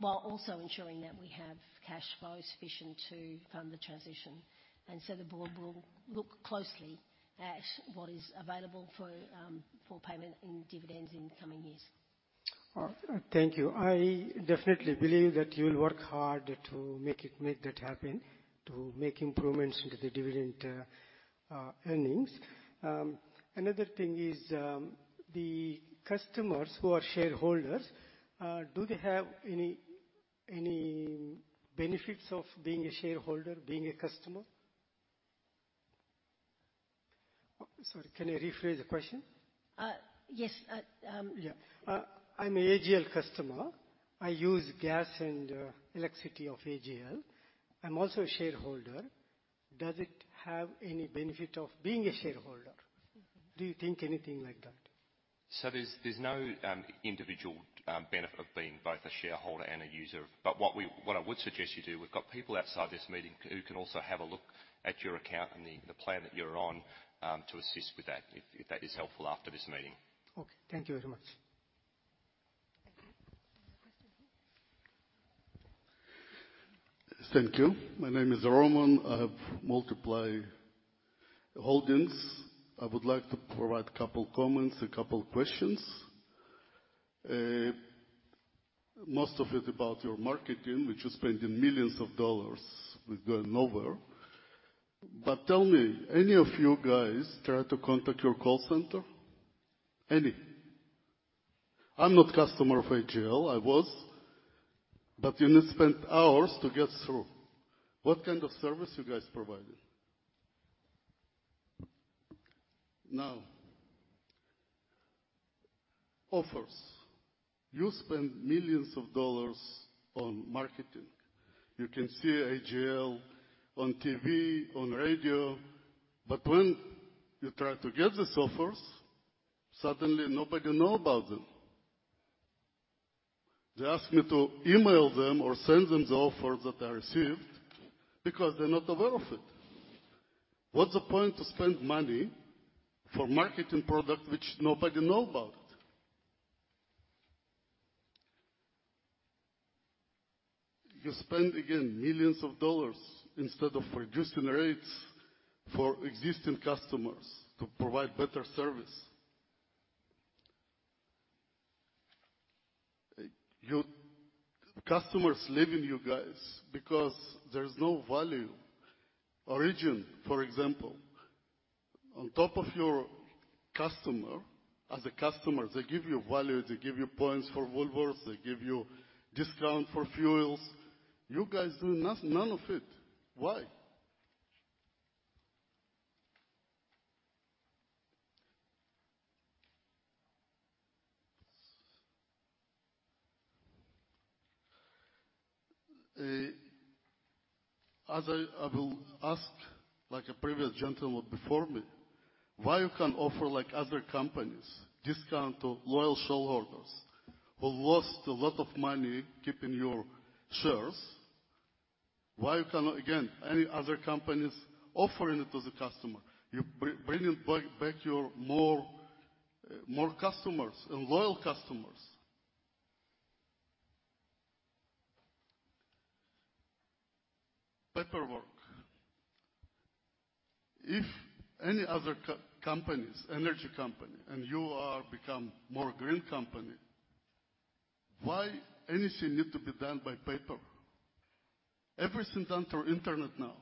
while also ensuring that we have cash flow sufficient to fund the transition, and so the Board will look closely at what is available for payment in dividends in the coming years. Thank you. I definitely believe that you will work hard to make it, make that happen, to make improvements into the dividend, earnings. Another thing is, the customers who are shareholders, do they have any, any benefits of being a shareholder, being a customer? Sorry, can you rephrase the question? Yes. Yeah. I'm a AGL customer. I use gas and electricity of AGL. I'm also a shareholder. Does it have any benefit of being a shareholder? Do you think anything like that? So there's no individual benefit of being both a shareholder and a user. But what I would suggest you do, we've got people outside this meeting who can also have a look at your account and the plan that you're on to assist with that, if that is helpful after this meeting. Okay. Thank you very much. Thank you. Any more questions here? Thank you. My name is Roman. I have multiple holdings. I would like to provide a couple comments, a couple questions. Most of it about your marketing, which you're spending millions of dollars with going nowhere. But tell me, any of you guys tried to contact your call center? Any? I'm not customer of AGL. I was, but you need to spend hours to get through. What kind of service you guys providing? Now, offers. You spend millions of dollars on marketing. You can see AGL on TV, on radio, but when you try to get these offers, suddenly nobody know about them. They ask me to email them or send them the offer that I received, because they're not aware of it. What's the point to spend money for marketing product which nobody know about? You spend, again, millions of dollars instead of reducing rates for existing customers to provide better service. Customers leaving you guys because there's no value. Origin, for example, on top of your customer, as a customer, they give you value, they give you points for Woolworths, they give you discount for fuels. You guys do not none of it. Why? As I will ask, like a previous gentleman before me, why you can't offer like other companies, discount to loyal shareholders who lost a lot of money keeping your shares? Why you cannot. Again, any other companies offering it to the customer, you bringing back your more customers and loyal customers. Paperwork. If any other companies, energy company, and you are become more green company, why anything need to be done by paper? Everything done through internet now.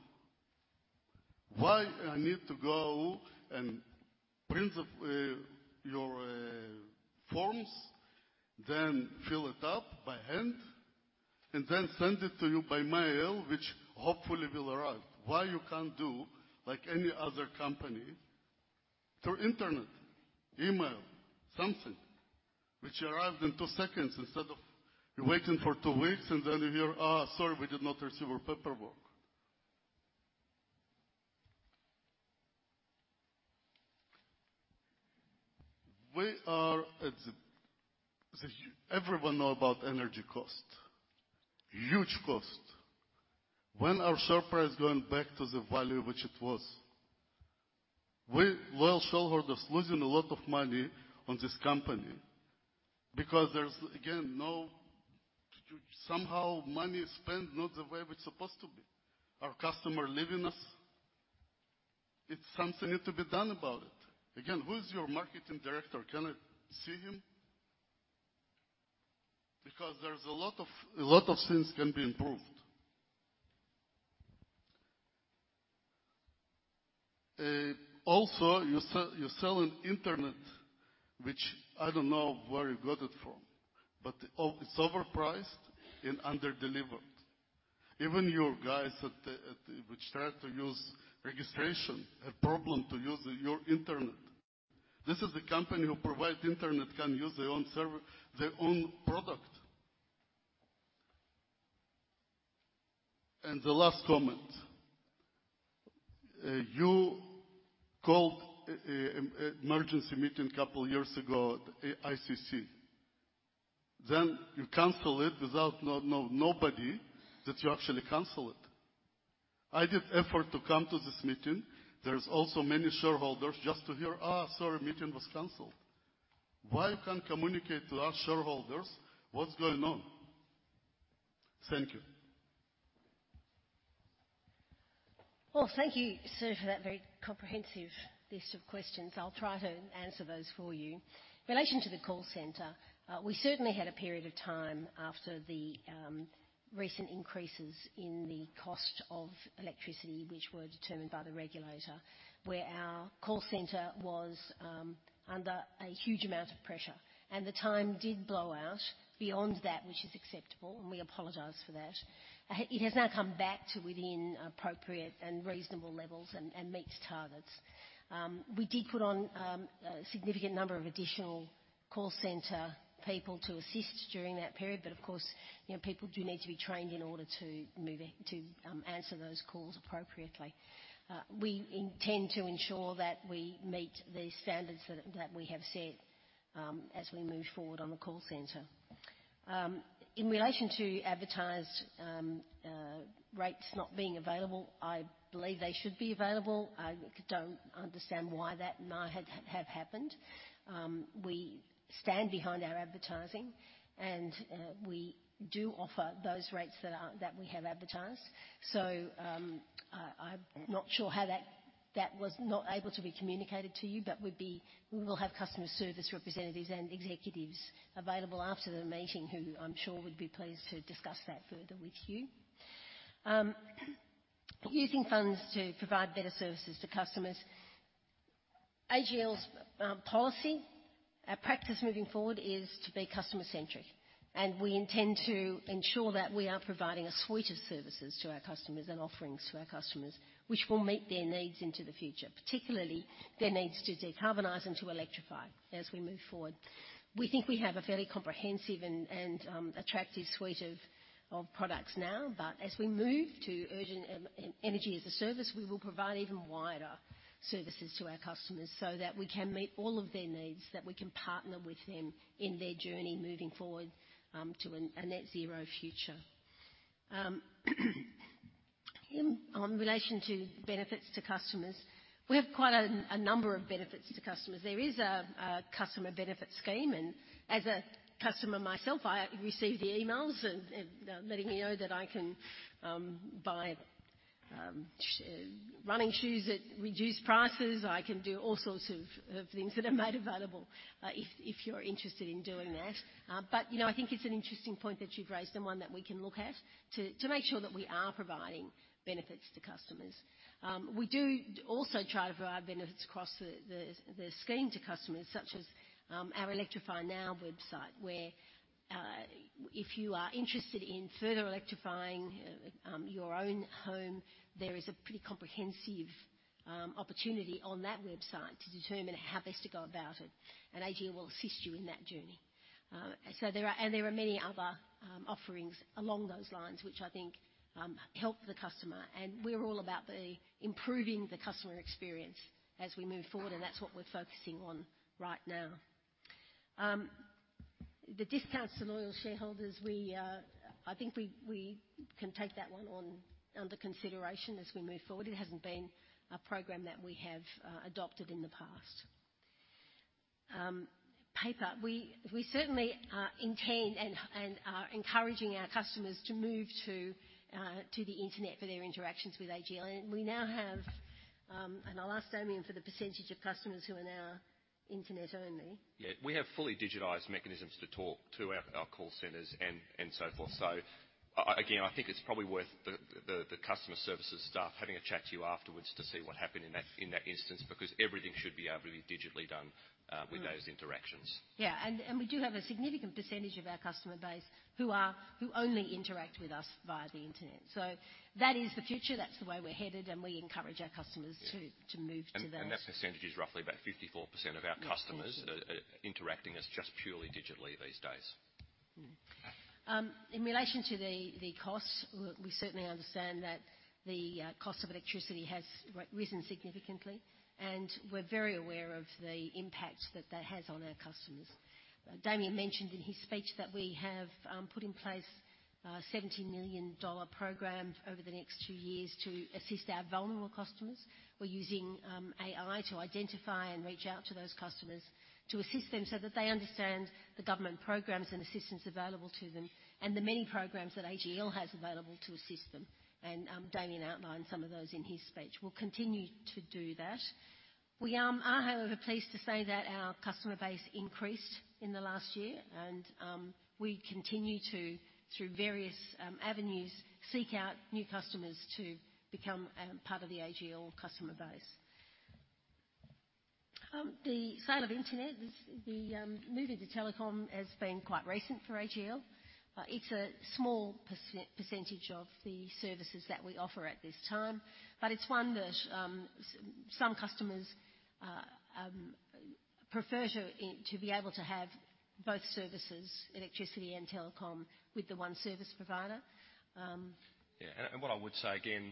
Why do I need to go and print off your forms, then fill it up by hand, and then send it to you by mail, which hopefully will arrive? Why can't you do like any other company, through internet, email, something, which arrives in two seconds instead of you waiting for two weeks and then you hear, "Ah, sorry, we did not receive your paperwork?" We are at the... Everyone knows about energy costs. Huge costs. When is our share price going back to the value which it was? We, loyal shareholders, are losing a lot of money on this company because there's, again, no, somehow money is spent, not the way it's supposed to be. Our customers are leaving us. Something needs to be done about it. Again, who is your marketing director? Can I see him? Because there's a lot of, a lot of things that can be improved. Also, you selling internet, which I don't know where you got it from, but it's overpriced and underdelivered. Even your guys at the which try to use registration have problem to use your internet. This is the company who provide internet, can't use their own server, their own product. And the last comment, you called an emergency meeting a couple years ago at ICC, then you cancel it without no nobody that you actually cancel it. I did effort to come to this meeting. There's also many shareholders just to hear, "Ah, sorry, meeting was canceled." Why you can't communicate to us shareholders what's going on? Thank you. Well, thank you, sir, for that very comprehensive list of questions. I'll try to answer those for you. In relation to the call center, we certainly had a period of time after the recent increases in the cost of electricity, which were determined by the regulator, where our call center was under a huge amount of pressure, and the time did blow out beyond that which is acceptable, and we apologize for that. It has now come back to within appropriate and reasonable levels and meets targets. We did put on a significant number of additional call center people to assist during that period, but of course, you know, people do need to be trained in order to move to answer those calls appropriately. We intend to ensure that we meet the standards that we have set as we move forward on the call center. In relation to advertised rates not being available, I believe they should be available. I don't understand why that not have happened. We stand behind our advertising, and we do offer those rates that are that we have advertised. So, I'm not sure how that was not able to be communicated to you, but we'll be we will have customer service representatives and executives available after the meeting, who I'm sure would be pleased to discuss that further with you. Using funds to provide better services to customers. AGL's policy, our practice moving forward is to be customer-centric, and we intend to ensure that we are providing a suite of services to our customers and offerings to our customers, which will meet their needs into the future, particularly their needs to decarbonize and to electrify as we move forward. We think we have a fairly comprehensive and attractive suite of products now, but as we move to urgent energy as a service, we will provide even wider services to our customers so that we can meet all of their needs, that we can partner with them in their journey moving forward to a net zero future. In relation to benefits to customers, we have quite a number of benefits to customers. There is a customer benefit scheme, and as a customer myself, I receive the emails and letting me know that I can buy running shoes at reduced prices. I can do all sorts of things that are made available if you're interested in doing that. But, you know, I think it's an interesting point that you've raised and one that we can look at to make sure that we are providing benefits to customers. We do also try to provide benefits across the scheme to customers, such as our Electrify Now website, where if you are interested in further electrifying your own home, there is a pretty comprehensive opportunity on that website to determine how best to go about it, and AGL will assist you in that journey. So there are and there are many other offerings along those lines, which I think help the customer, and we're all about the improving the customer experience as we move forward, and that's what we're focusing on right now. The discounts to loyal shareholders, we, I think we can take that one on under consideration as we move forward. It hasn't been a program that we have adopted in the past. Paper. We certainly intend and are encouraging our customers to move to the internet for their interactions with AGL. And we now have, and I'll ask Damien for the percentage of customers who are now internet only. Yeah, we have fully digitized mechanisms to talk to our call centers and so forth. So again, I think it's probably worth the customer services staff having a chat to you afterwards to see what happened in that instance, because everything should be able to be digitally done with those interactions. Yeah, and we do have a significant percentage of our customer base who only interact with us via the internet. So that is the future, that's the way we're headed, and we encourage our customers- Yeah. to move to those. And that percentage is roughly about 54% of our customers- Yes. Interacting with us just purely digitally these days.... In relation to the costs, we certainly understand that the cost of electricity has risen significantly, and we're very aware of the impact that that has on our customers. Damien mentioned in his speech that we have put in place an 70 million dollar program over the next two years to assist our vulnerable customers. We're using AI to identify and reach out to those customers to assist them so that they understand the government programs and assistance available to them, and the many programs that AGL has available to assist them, and Damien outlined some of those in his speech. We'll continue to do that. We are, however, pleased to say that our customer base increased in the last year, and we continue to, through various avenues, seek out new customers to become part of the AGL customer base. The sale of internet, the move into telecom has been quite recent for AGL. It's a small percentage of the services that we offer at this time, but it's one that some customers prefer to be able to have both services, electricity and telecom, with the one service provider. Yeah, and what I would say again,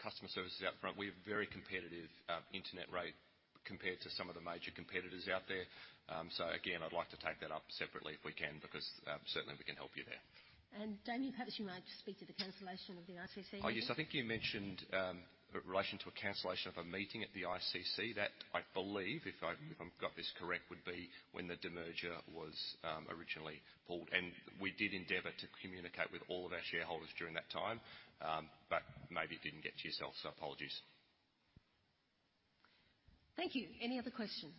customer service is out front. We have very competitive internet rate compared to some of the major competitors out there. So again, I'd like to take that up separately if we can, because certainly we can help you there. Damien, perhaps you might speak to the cancellation of the ICC meeting. Ah, yes. I think you mentioned, in relation to a cancellation of a meeting at the ICC. That, I believe, if I, if I've got this correct, would be when the demerger was, originally pulled, and we did endeavor to communicate with all of our shareholders during that time, but maybe it didn't get to yourself, so apologies. Thank you. Any other questions?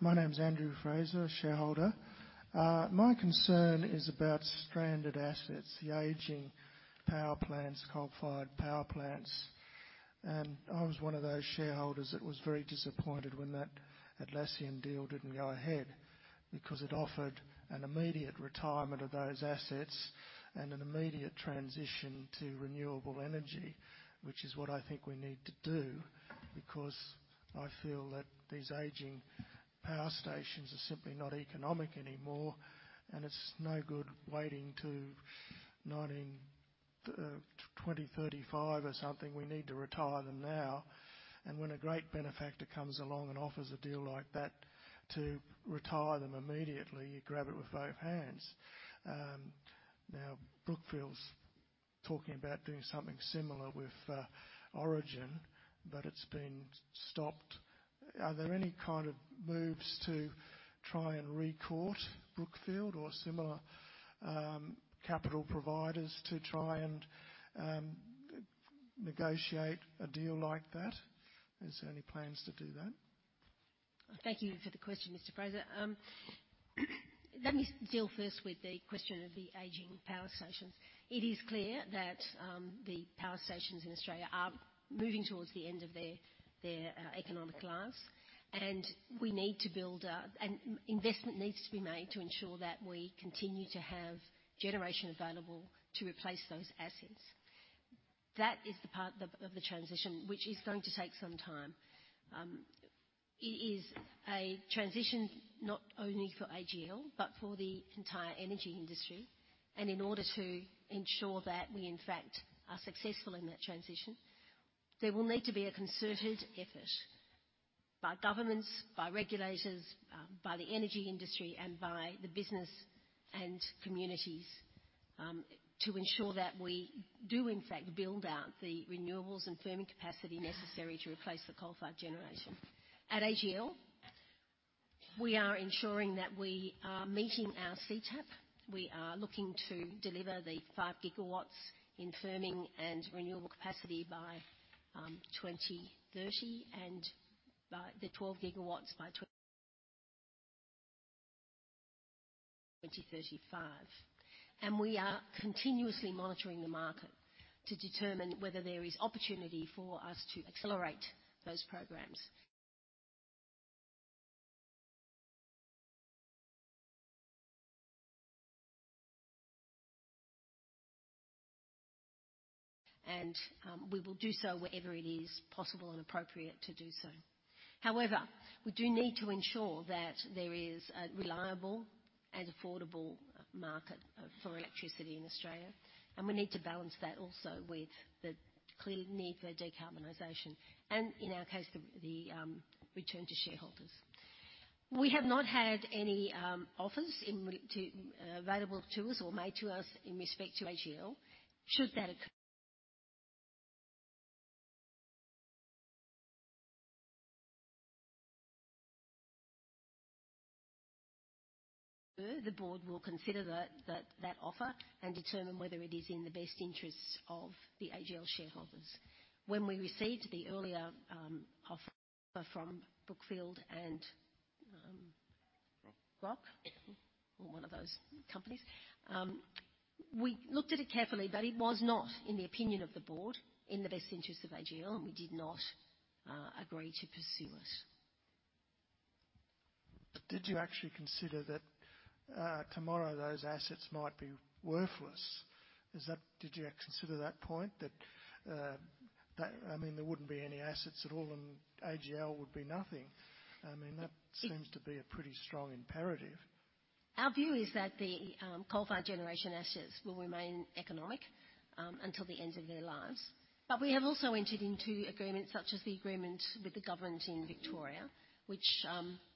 My name is Andrew Fraser, a shareholder. My concern is about stranded assets, the aging power plants, coal-fired power plants, and I was one of those shareholders that was very disappointed when that Atlassian deal didn't go ahead, because it offered an immediate retirement of those assets and an immediate transition to renewable energy, which is what I think we need to do, because I feel that these aging power stations are simply not economic anymore, and it's no good waiting to 2035 or something. We need to retire them now, and when a great benefactor comes along and offers a deal like that, to retire them immediately, you grab it with both hands. Now, Brookfield's talking about doing something similar with Origin, but it's been stopped. Are there any kind of moves to try and re-court Brookfield or similar, capital providers to try and negotiate a deal like that? Is there any plans to do that? Thank you for the question, Mr. Fraser. Let me deal first with the question of the aging power stations. It is clear that the power stations in Australia are moving towards the end of their economic lives, and we need to build and investment needs to be made to ensure that we continue to have generation available to replace those assets. That is the part of the transition, which is going to take some time. It is a transition not only for AGL, but for the entire energy industry, and in order to ensure that we, in fact, are successful in that transition, there will need to be a concerted effort by governments, by regulators, by the energy industry, and by the business and communities, to ensure that we do, in fact, build out the renewables and firming capacity necessary to replace the coal-fired generation. At AGL, we are ensuring that we are meeting our CTAP. We are looking to deliver 5 GW in firming and renewable capacity by 2030 and 12 GW by 2035, and we are continuously monitoring the market to determine whether there is opportunity for us to accelerate those programs. We will do so wherever it is possible and appropriate to do so. However, we do need to ensure that there is a reliable and affordable market for electricity in Australia, and we need to balance that also with the clear need for decarbonization, and in our case, the return to shareholders. We have not had any offers available to us or made to us in respect to AGL. Should that occur, the Board will consider that offer and determine whether it is in the best interests of the AGL shareholders. When we received the earlier offer from Brookfield and Grok. Grok, or one of those companies, we looked at it carefully, but it was not, in the opinion of the Board, in the best interests of AGL, and we did not agree to pursue it.... But did you actually consider that tomorrow those assets might be worthless? Is that? Did you consider that point, that I mean, there wouldn't be any assets at all, and AGL would be nothing. I mean, that seems to be a pretty strong imperative. Our view is that the coal-fired generation assets will remain economic until the end of their lives. But we have also entered into agreements, such as the agreement with the government in Victoria, which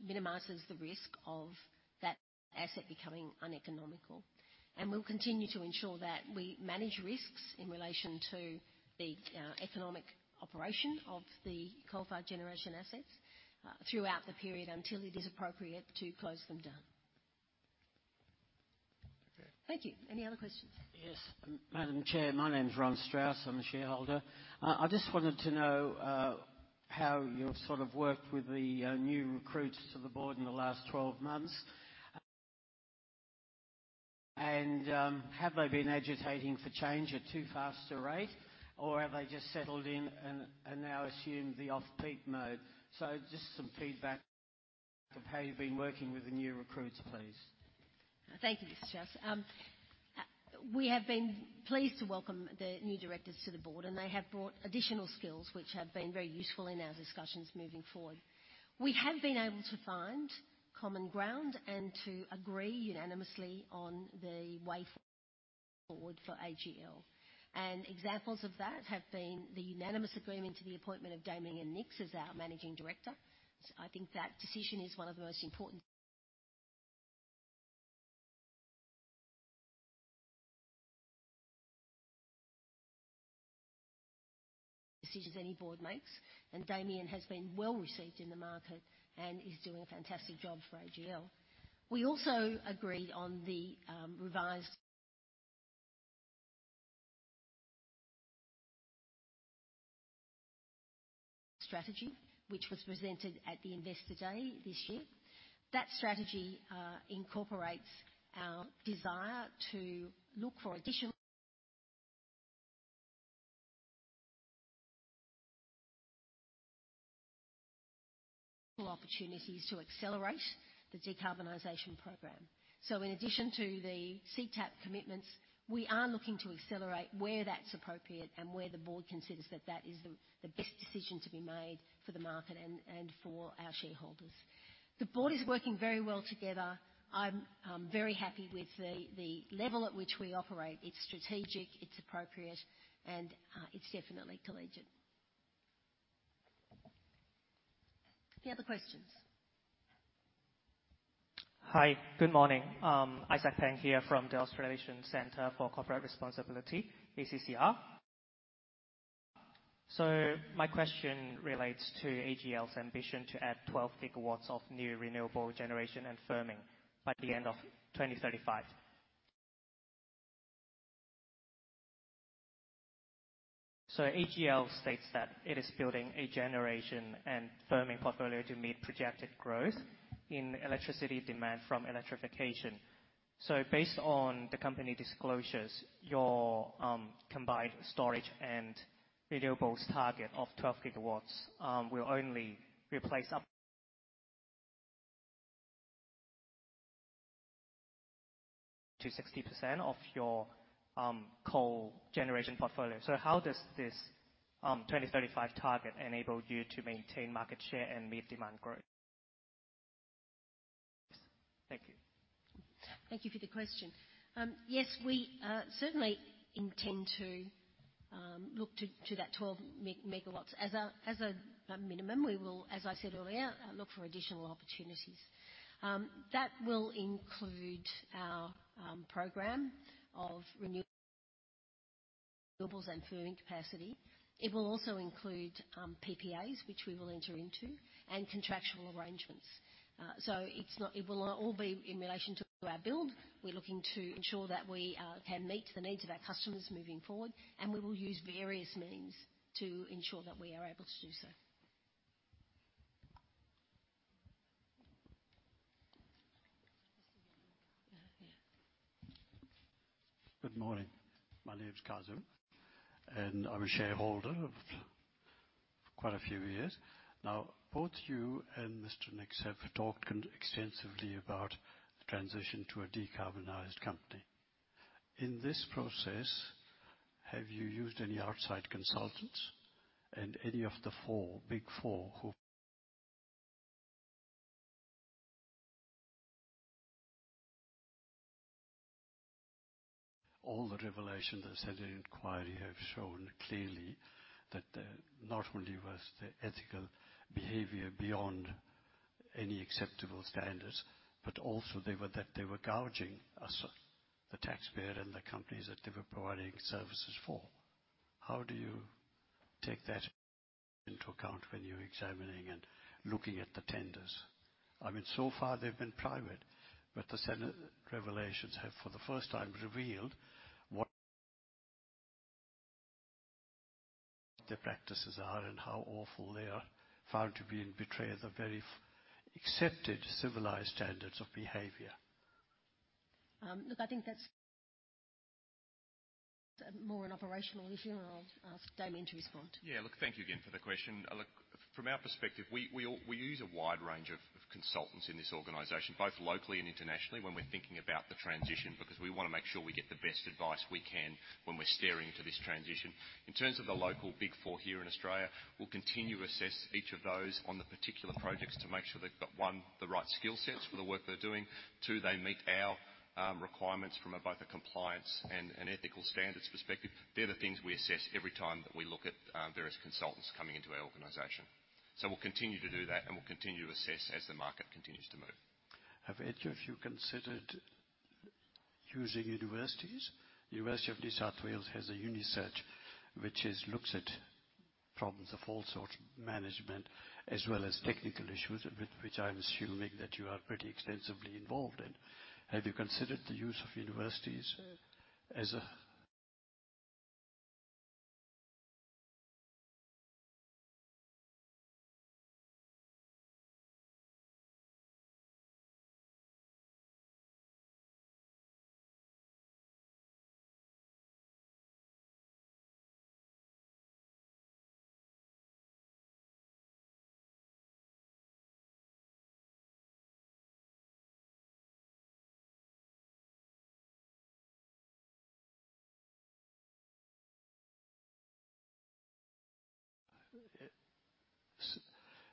minimizes the risk of that asset becoming uneconomical. And we'll continue to ensure that we manage risks in relation to the economic operation of the coal-fired generation assets throughout the period until it is appropriate to close them down. Okay. Thank you. Any other questions? Yes, Madam Chair, my name is Ron Strauss. I'm a shareholder. I just wanted to know how you've sort of worked with the new recruits to the Board in the last 12 months. And have they been agitating for change at too fast a rate, or have they just settled in and now assumed the off-peak mode? So just some feedback of how you've been working with the new recruits, please. Thank you, Mr. Strauss. We have been pleased to welcome the new directors to the Board, and they have brought additional skills, which have been very useful in our discussions moving forward. We have been able to find common ground and to agree unanimously on the way forward for AGL. Examples of that have been the unanimous agreement to the appointment of Damien Nicks as our Managing Director. So I think that decision is one of the most important decisions any board makes, and Damien has been well-received in the market and is doing a fantastic job for AGL. We also agreed on the revised strategy, which was presented at the Investor Day this year. That strategy incorporates our desire to look for additional opportunities to accelerate the decarbonization program. So in addition to the CTAP commitments, we are looking to accelerate where that's appropriate and where the Board considers that that is the best decision to be made for the market and for our shareholders. The Board is working very well together. I'm very happy with the level at which we operate. It's strategic, it's appropriate, and it's definitely collegiate. Any other questions? Hi, good morning. Isaac Pang here from the Australian Centre for Corporate Responsibility, ACCR. My question relates to AGL's ambition to add 12 GW of new renewable generation and firming by the end of 2035. AGL states that it is building a generation and firming portfolio to meet projected growth in electricity demand from electrification. Based on the company disclosures, your combined storage and renewables target of 12 GW will only replace up to 60% of your coal generation portfolio. How does this 2035 target enable you to maintain market share and meet demand growth? Thank you. Thank you for the question. Yes, we certainly intend to look to that 12 MW as a minimum. We will, as I said earlier, look for additional opportunities. That will include our program of renewables and firming capacity. It will also include PPAs, which we will enter into, and contractual arrangements. So it's not—it will not all be in relation to our build. We're looking to ensure that we can meet the needs of our customers moving forward, and we will use various means to ensure that we are able to do so. Good morning. My name is Kazim, and I'm a shareholder of quite a few years now. Both you and Mr. Nicks have talked extensively about the transition to a decarbonized company. In this process, have you used any outside consultants and any of the Big Four, who... All the revelations that said the inquiry have shown clearly that there not only was the ethical behavior beyond any acceptable standards, but also they were, that they were gouging us, the taxpayer, and the companies that they were providing services for. How do you take that into account when you're examining and looking at the tenders? I mean, so far, they've been private, but the Senate revelations have, for the first time, revealed what... the practices are and how awful they are, found to be in betrayal of the very accepted civilized standards of behavior. Look, I think that's more an operational issue, and I'll ask Damien to respond. Yeah, look, thank you again for the question. Look, from our perspective, we use a wide range of consultants in this organization, both locally and internationally, when we're thinking about the transition, because we wanna make sure we get the best advice we can when we're steering into this transition. In terms of the local Big Four here in Australia, we'll continue to assess each of those on the particular projects to make sure they've got, one, the right skill sets for the work they're doing. Two, they meet our requirements from both a compliance and ethical standards perspective. They're the things we assess every time that we look at various consultants coming into our organization. So we'll continue to do that, and we'll continue to assess as the market continues to move. Have either of you considered using universities? University of New South Wales has a unisearch, which looks at problems of all sorts, management as well as technical issues, with which I'm assuming that you are pretty extensively involved in. Have you considered the use of universities as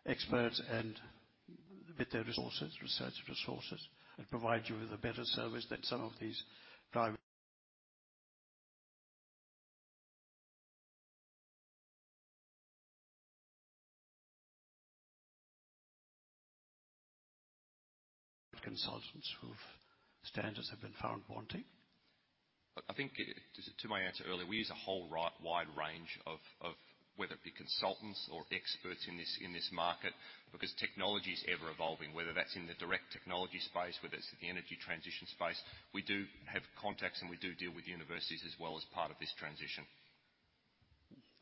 experts and with their resources, research resources, and provide you with a better service than some of these private consultants whose standards have been found wanting? I think, just to my answer earlier, we use a whole wide range of, of whether it be consultants or experts in this, in this market, because technology is ever evolving, whether that's in the direct technology space, whether it's in the energy transition space. We do have contacts, and we do deal with universities as well as part of this transition.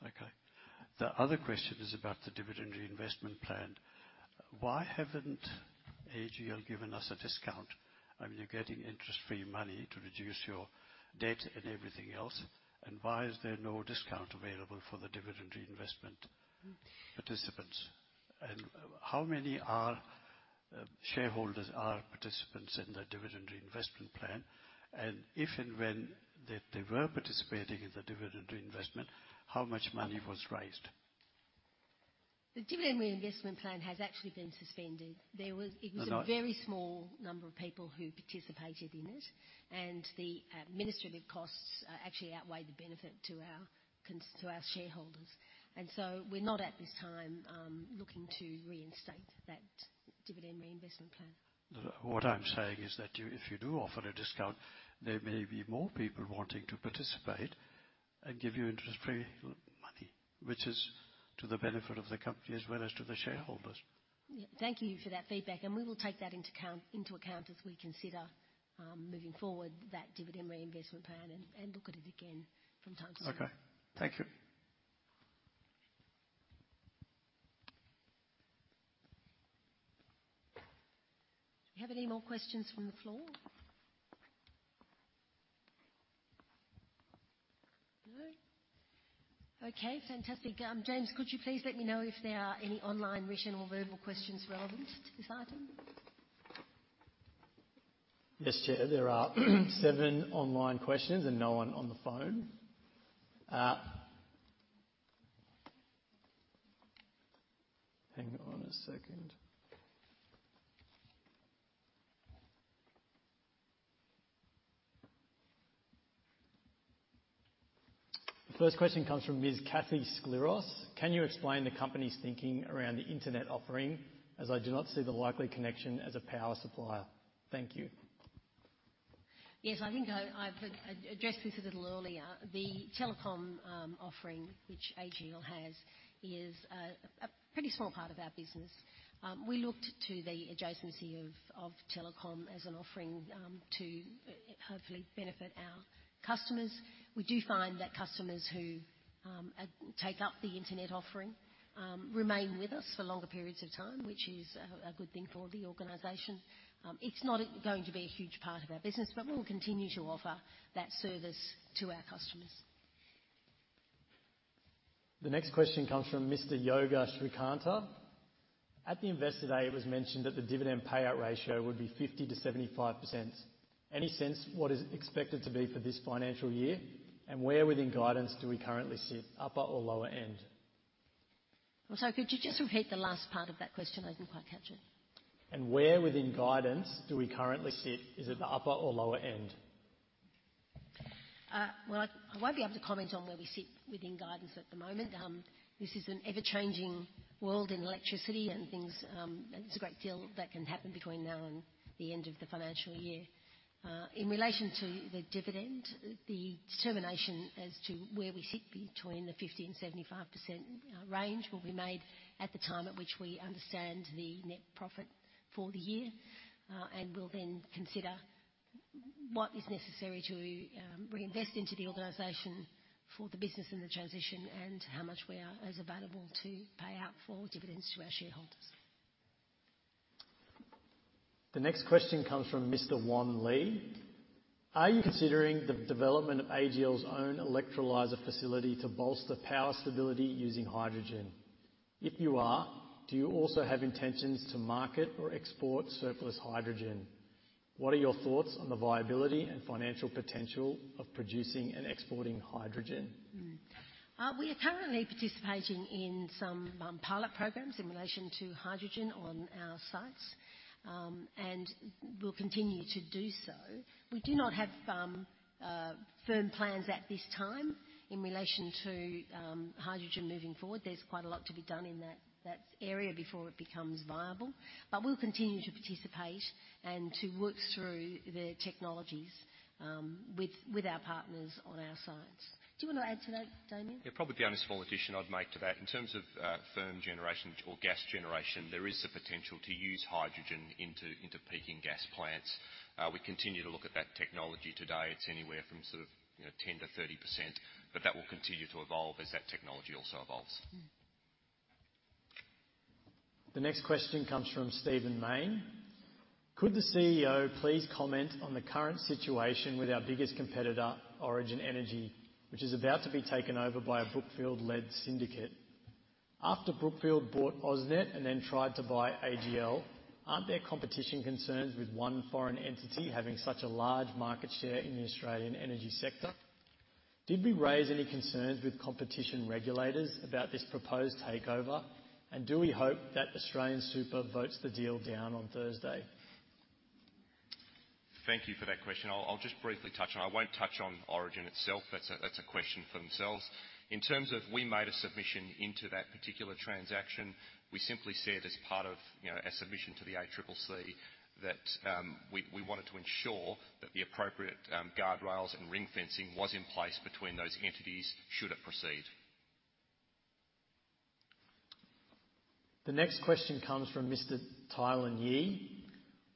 Okay. The other question is about the dividend reinvestment plan. Why haven't AGL given us a discount? I mean, you're getting interest-free money to reduce your debt and everything else. And why is there no discount available for the dividend reinvestment participants? And how many shareholders are participants in the dividend reinvestment plan? And if and when they, they were participating in the dividend reinvestment, how much money was raised? The dividend reinvestment plan has actually been suspended. There was- I know. It was a very small number of people who participated in it, and the administrative costs actually outweighed the benefit to our shareholders. And so we're not, at this time, looking to reinstate that dividend reinvestment plan. What I'm saying is that you, if you do offer a discount, there may be more people wanting to participate and give you interest-free money, which is to the benefit of the company as well as to the shareholders. Thank you for that feedback, and we will take that into account as we consider moving forward that dividend reinvestment plan and look at it again from time to time. Okay. Thank you. Do we have any more questions from the floor? No. Okay, fantastic. James, could you please let me know if there are any online, written, or verbal questions relevant to this item? Yes, Chair. There are seven online questions and no one on the phone. Hang on a second. The first question comes from Ms. Kathy Skliros: Can you explain the company's thinking around the internet offering, as I do not see the likely connection as a power supplier? Thank you. Yes, I think I've addressed this a little earlier. The telecom offering, which AGL has, is a pretty small part of our business. We looked to the adjacency of telecom as an offering to hopefully benefit our customers. We do find that customers who take up the internet offering remain with us for longer periods of time, which is a good thing for the organization. It's not going to be a huge part of our business, but we'll continue to offer that service to our customers. The next question comes from Mr. Joga Srikanta: At the Investor Day, it was mentioned that the dividend payout ratio would be 50%-75%. Any sense what is expected to be for this financial year, and where within guidance do we currently sit, upper or lower end? I'm sorry, could you just repeat the last part of that question? I didn't quite catch it. Where within guidance do we currently sit? Is it the upper or lower end? Well, I won't be able to comment on where we sit within guidance at the moment. This is an ever-changing world in electricity and things. There's a great deal that can happen between now and the end of the financial year. In relation to the dividend, the determination as to where we sit between the 50%-75% range will be made at the time at which we understand the net profit for the year. And we'll then consider what is necessary to reinvest into the organization for the business and the transition and how much is available to pay out for dividends to our shareholders. ... The next question comes from Mr. Won Lee. Are you considering the development of AGL's own electrolyzer facility to bolster power stability using hydrogen? If you are, do you also have intentions to market or export surplus hydrogen? What are your thoughts on the viability and financial potential of producing and exporting hydrogen? We are currently participating in some pilot programs in relation to hydrogen on our sites, and we'll continue to do so. We do not have firm plans at this time in relation to hydrogen moving forward. There's quite a lot to be done in that area before it becomes viable, but we'll continue to participate and to work through the technologies with our partners on our sites. Do you want to add to that, Damien? Yeah, probably the only small addition I'd make to that, in terms of firm generation or gas generation, there is the potential to use hydrogen into peaking gas plants. We continue to look at that technology today. It's anywhere from sort of, you know, 10%-30%, but that will continue to evolve as that technology also evolves. The next question comes from Stephen Mayne. Could the CEO please comment on the current situation with our biggest competitor, Origin Energy, which is about to be taken over by a Brookfield-led syndicate? After Brookfield bought AusNet and then tried to buy AGL, aren't there competition concerns with one foreign entity having such a large market share in the Australian energy sector? Did we raise any concerns with competition regulators about this proposed takeover, and do we hope that Australian Super votes the deal down on Thursday? Thank you for that question. I'll, I'll just briefly touch on... I won't touch on Origin itself. That's a, that's a question for themselves. In terms of we made a submission into that particular transaction, we simply said, as part of, you know, our submission to the ACCC, that, we, we wanted to ensure that the appropriate, guardrails and ring fencing was in place between those entities, should it proceed. The next question comes from Mr. Tylon Yi: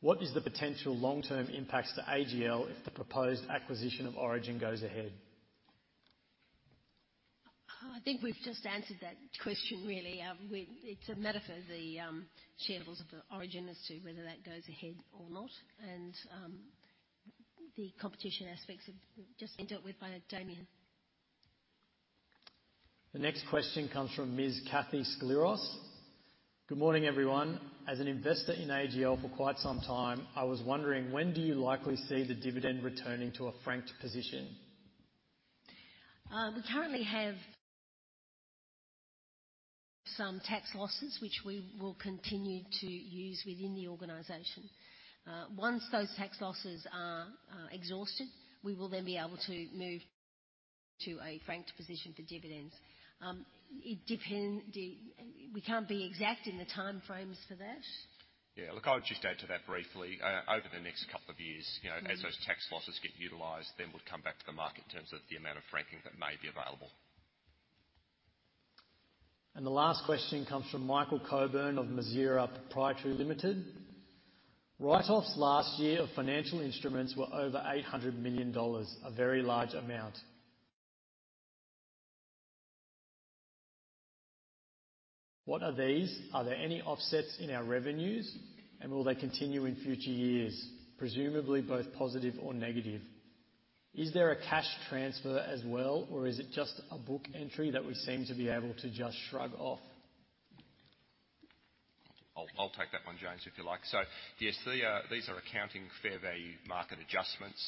What is the potential long-term impacts to AGL if the proposed acquisition of Origin goes ahead? I think we've just answered that question really. It's a matter for the shareholders of the Origin as to whether that goes ahead or not, and the competition aspects have just been dealt with by Damien. The next question comes from Ms. Kathy Skliros. Good morning, everyone. As an investor in AGL for quite some time, I was wondering: when do you likely see the dividend returning to a franked position? We currently have some tax losses, which we will continue to use within the organization. Once those tax losses are exhausted, we will then be able to move to a franked position for dividends. We can't be exact in the time frames for that. Yeah. Look, I would just add to that briefly. Over the next couple of years, you know, as those tax losses get utilized, then we'll come back to the market in terms of the amount of franking that may be available. The last question comes from Michael Coburn of Masiera Proprietary Limited. Write-offs last year of financial instruments were over 800 million dollars, a very large amount. What are these? Are there any offsets in our revenues, and will they continue in future years, presumably both positive or negative? Is there a cash transfer as well, or is it just a book entry that we seem to be able to just shrug off? I'll take that one, James, if you like. So yes, these are accounting fair value market adjustments.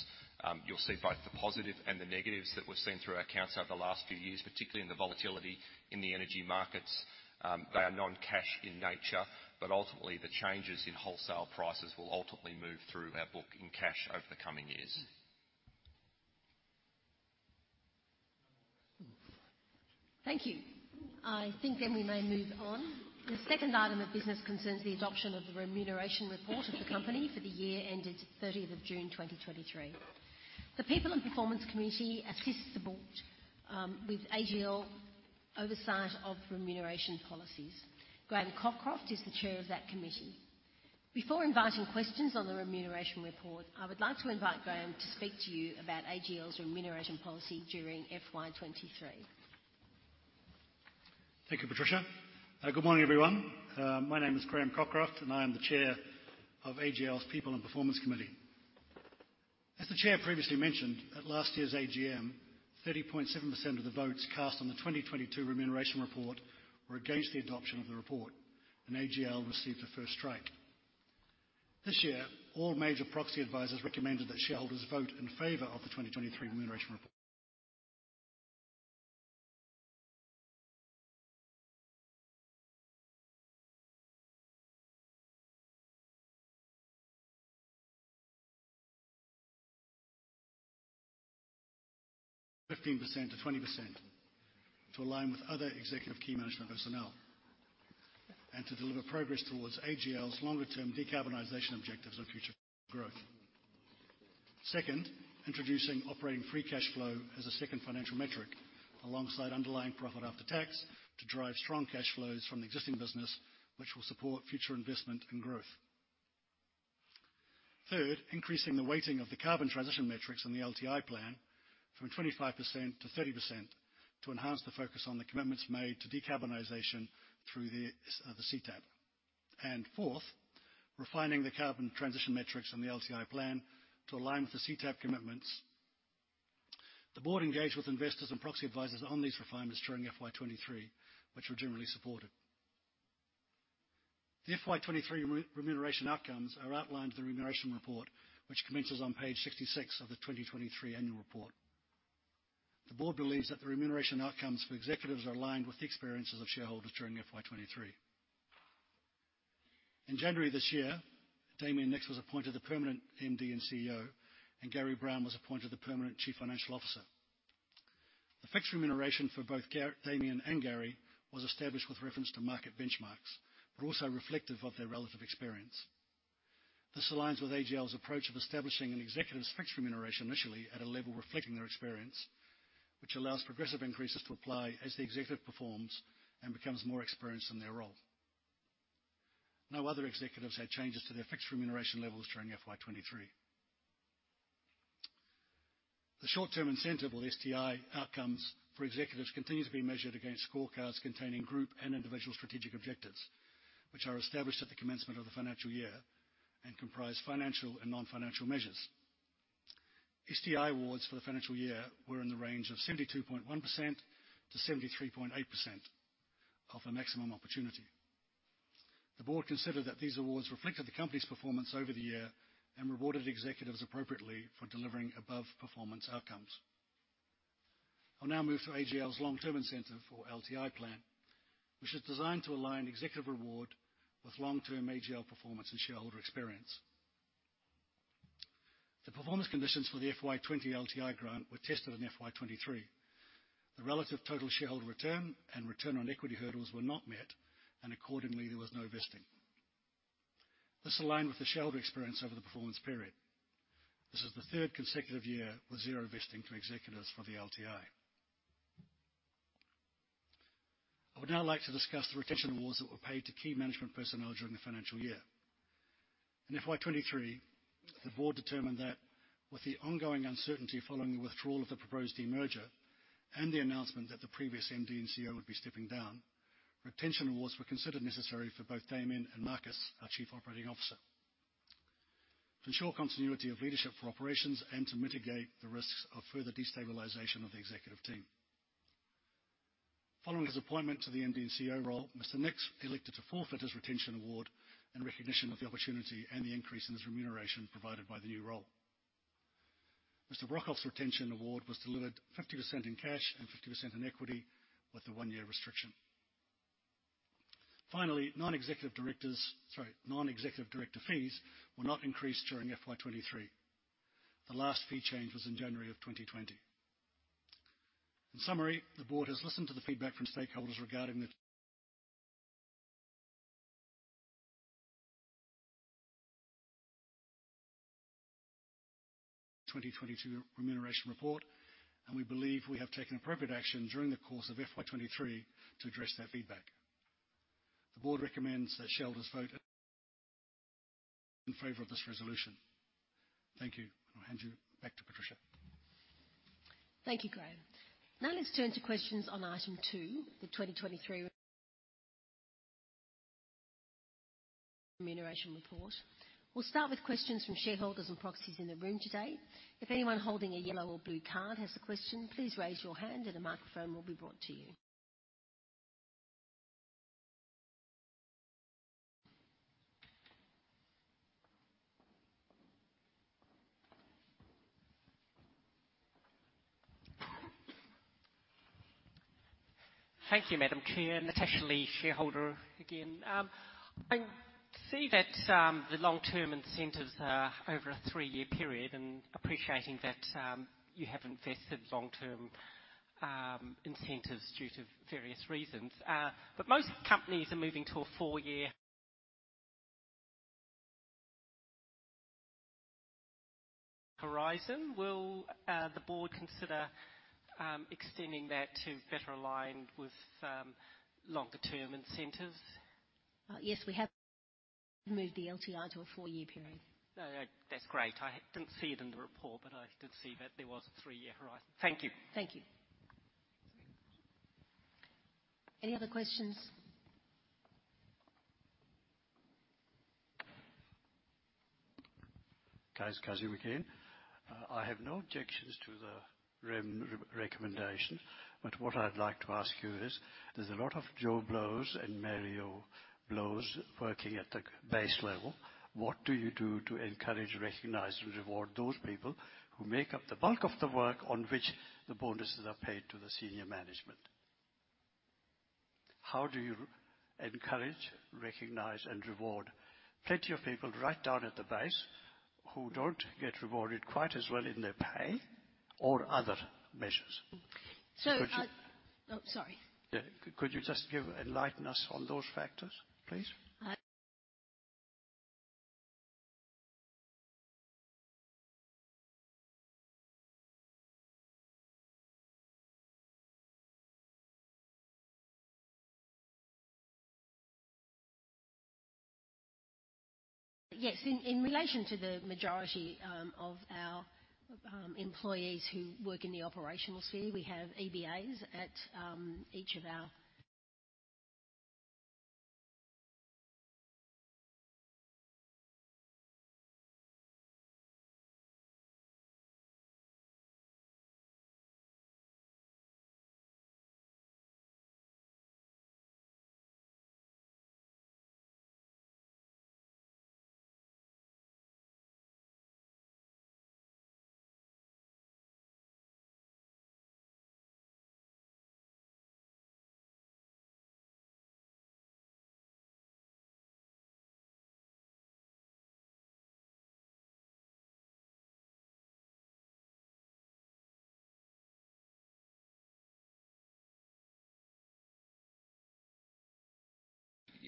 You'll see both the positive and the negatives that we've seen through our accounts over the last few years, particularly in the volatility in the energy markets. They are non-cash in nature, but ultimately, the changes in wholesale prices will ultimately move through our book in cash over the coming years. Thank you. I think then we may move on. The second item of business concerns the adoption of the Remuneration Report of the company for the year ended 30th of June, 2023. The People and Performance Committee assists the Board with AGL oversight of remuneration policies. Graham Cockcroft is the Chair of that committee. Before inviting questions on the Remuneration Report, I would like to invite Graham to speak to you about AGL's remuneration policy during FY 2023. Thank you, Patricia. Good morning, everyone. My name is Graham Cockcroft, and I am the Chair of AGL's People and Performance Committee. As the Chair previously mentioned, at last year's AGM, 30.7% of the votes cast on the 2022 Remuneration Report were against the adoption of the report, and AGL received a first strike. This year, all major proxy advisors recommended that shareholders vote in favor of the 2023 Remuneration Report. 15%-20%, to align with other executive key management personnel and to deliver progress towards AGL's longer-term decarbonization objectives and future growth. Second, introducing operating free cash flow as a second financial metric, alongside underlying profit after tax to drive strong cash flows from the existing business, which will support future investment and growth. Third, increasing the weighting of the carbon transition metrics on the LTI plan from 25% to 30% to enhance the focus on the commitments made to decarbonization through the, the CTAP. And fourth, refining the carbon transition metrics on the LTI plan to align with the CTAP commitments. The Board engaged with investors and proxy advisors on these refinements during FY 2023, which were generally supported. The FY 2023 remuneration outcomes are outlined in the Remuneration Report, which commences on page 66 of the 2023 annual report. The Board believes that the remuneration outcomes for executives are aligned with the experiences of shareholders during FY 2023. In January this year, Damien Nicks was appointed the permanent MD and CEO, and Gary Brown was appointed the permanent Chief Financial Officer. The fixed remuneration for both Damien and Gary was established with reference to market benchmarks, but also reflective of their relative experience. This aligns with AGL's approach of establishing an executive's fixed remuneration initially at a level reflecting their experience, which allows progressive increases to apply as the executive performs and becomes more experienced in their role. No other executives had changes to their fixed remuneration levels during FY 2023. The short-term incentive, or STI, outcomes for executives continues to be measured against scorecards containing group and individual strategic objectives, which are established at the commencement of the financial year and comprise financial and non-financial measures. STI awards for the financial year were in the range of 72.1%-73.8% of the maximum opportunity. The Board considered that these awards reflected the company's performance over the year and rewarded executives appropriately for delivering above-performance outcomes. I'll now move to AGL's long-term incentive for LTI plan, which is designed to align executive reward with long-term AGL performance and shareholder experience. The performance conditions for the FY 2020 LTI grant were tested in FY 2023. The relative total shareholder return and return on equity hurdles were not met, and accordingly, there was no vesting. This aligned with the shareholder experience over the performance period. This is the third consecutive year with zero vesting to executives for the LTI. I would now like to discuss the retention awards that were paid to key management personnel during the financial year. In FY 2023, the Board determined that with the ongoing uncertainty following the withdrawal of the proposed demerger and the announcement that the previous MD and CEO would be stepping down, retention awards were considered necessary for both Damien and Markus, our Chief Operating Officer, to ensure continuity of leadership for operations and to mitigate the risks of further destabilization of the executive team. Following his appointment to the MD and CEO role, Mr. Nicks elected to forfeit his retention award in recognition of the opportunity and the increase in his remuneration provided by the new role. Mr. Brokhof's retention award was delivered 50% in cash and 50% in equity with a one-year restriction. Finally, non-executive directors - sorry, Non-executive Director fees were not increased during FY 2023. The last fee change was in January of 2020. In summary, the Board has listened to the feedback from stakeholders regarding the 2022 Remuneration Report, and we believe we have taken appropriate action during the course of FY 2023 to address that feedback. The Board recommends that shareholders vote in favor of this resolution. Thank you. I'll hand you back to Patricia. Thank you, Graham. Now let's turn to questions on item two, the 2023 Remuneration Report. We'll start with questions from shareholders and proxies in the room today. If anyone holding a yellow or blue card has a question, please raise your hand and the microphone will be brought to you. Thank you, Madam Chair. Natasha Lee, shareholder again. I see that the long-term incentives are over a three-year period, and appreciating that you haven't vested long-term incentives due to various reasons. But most companies are moving to a four-year horizon. Will the Board consider extending that to better align with longer term incentives? Yes, we have moved the LTI to a four-year period. That's great. I didn't see it in the report, but I did see that there was a three-year horizon. Thank you. Thank you. Any other questions? Guys, Kazim again. I have no objections to the recommendation, but what I'd like to ask you is, there's a lot of Joe Blows and Mario Blows working at the base level. What do you do to encourage, recognize, and reward those people who make up the bulk of the work on which the bonuses are paid to the senior management? How do you encourage, recognize, and reward plenty of people right down at the base who don't get rewarded quite as well in their pay or other measures? So, I- Could you- Oh, sorry. Yeah. Could you just enlighten us on those factors, please? Yes, in relation to the majority of our employees who work in the operational sphere, we have EBAs at each of our-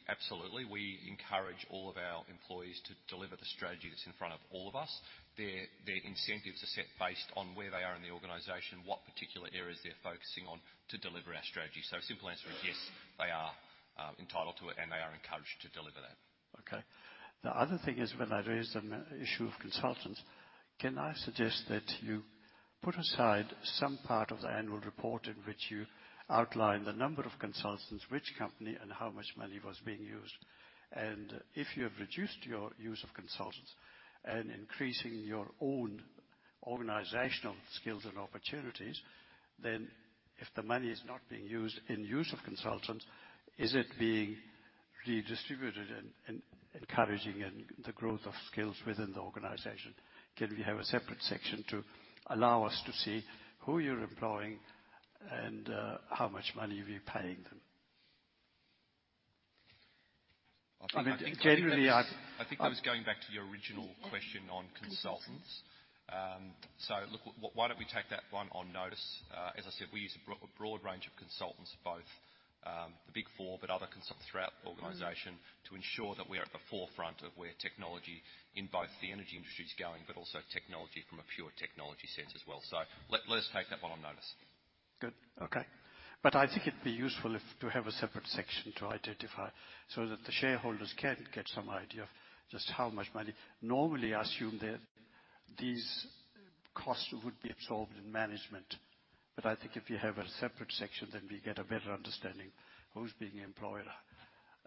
Absolutely. We encourage all of our employees to deliver the strategy that's in front of all of us. Their incentives are set based on where they are in the organization, what particular areas they're focusing on to deliver our strategy. So simple answer is, yes, they are entitled to it, and they are encouraged to deliver that. Okay. The other thing is, when I raised the issue of consultants, can I suggest that you put aside some part of the annual report in which you outline the number of consultants, which company, and how much money was being used? And if you have reduced your use of consultants and increasing your own organizational skills and opportunities, then if the money is not being used in use of consultants, is it being redistributed and encouraging in the growth of skills within the organization? Can we have a separate section to allow us to see who you're employing and how much money you're paying them? I mean, generally, I- I think that was going back to your original question on consultants. So look, why don't we take that one on notice? As I said, we use a broad, a broad range of consultants, both, the Big Four, but other consultants throughout the organization, to ensure that we are at the forefront of where technology in both the energy industry is going, but also technology from a pure technology sense as well. Let's take that one on notice. Good. Okay. But I think it'd be useful if to have a separate section to identify, so that the shareholders can get some idea of just how much money. Normally, I assume that these costs would be absorbed in management, but I think if you have a separate section, then we get a better understanding who's being employed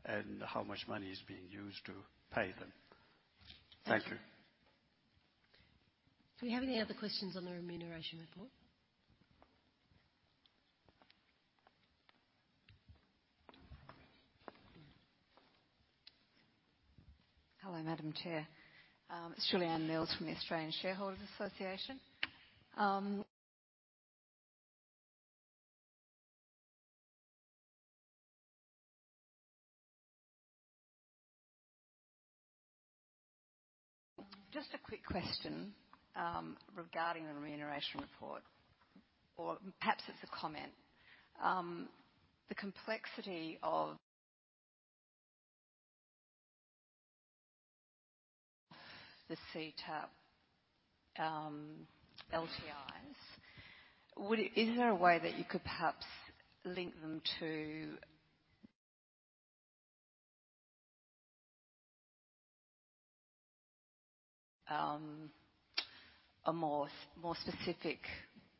and how much money is being used to pay them. Thank you. Do we have any other questions on the Remuneration Report? Hello, Madam Chair. It's Julieanne Mills from the Australian Shareholders Association. Just a quick question, regarding the Remuneration Report, or perhaps it's a comment. The complexity of the CTAP, LTIs, would it... Is there a way that you could perhaps link them to, a more, more specific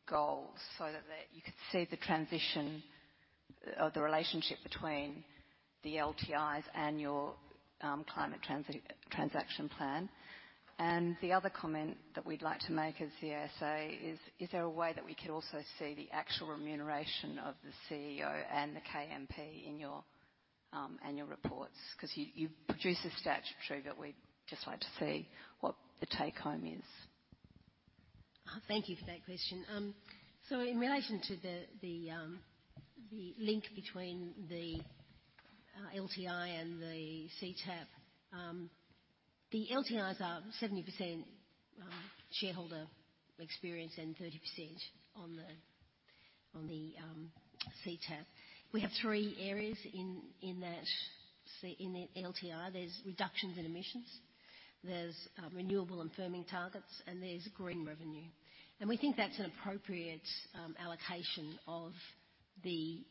goal so that, that you could see the transition or the relationship between the LTIs and your, climate transition plan? And the other comment that we'd like to make as CSA is: Is there a way that we could also see the actual remuneration of the CEO and the KMP in your, annual reports? 'Cause you, you've produced the statutory, but we'd just like to see what the take-home is. Thank you for that question. So in relation to the link between the LTI and the CTAP, the LTIs are 70% shareholder experience and 30% on the CTAP. We have three areas in that LTI. There's reductions in emissions, there's renewable and firming targets, and there's green revenue. And we think that's an appropriate allocation of the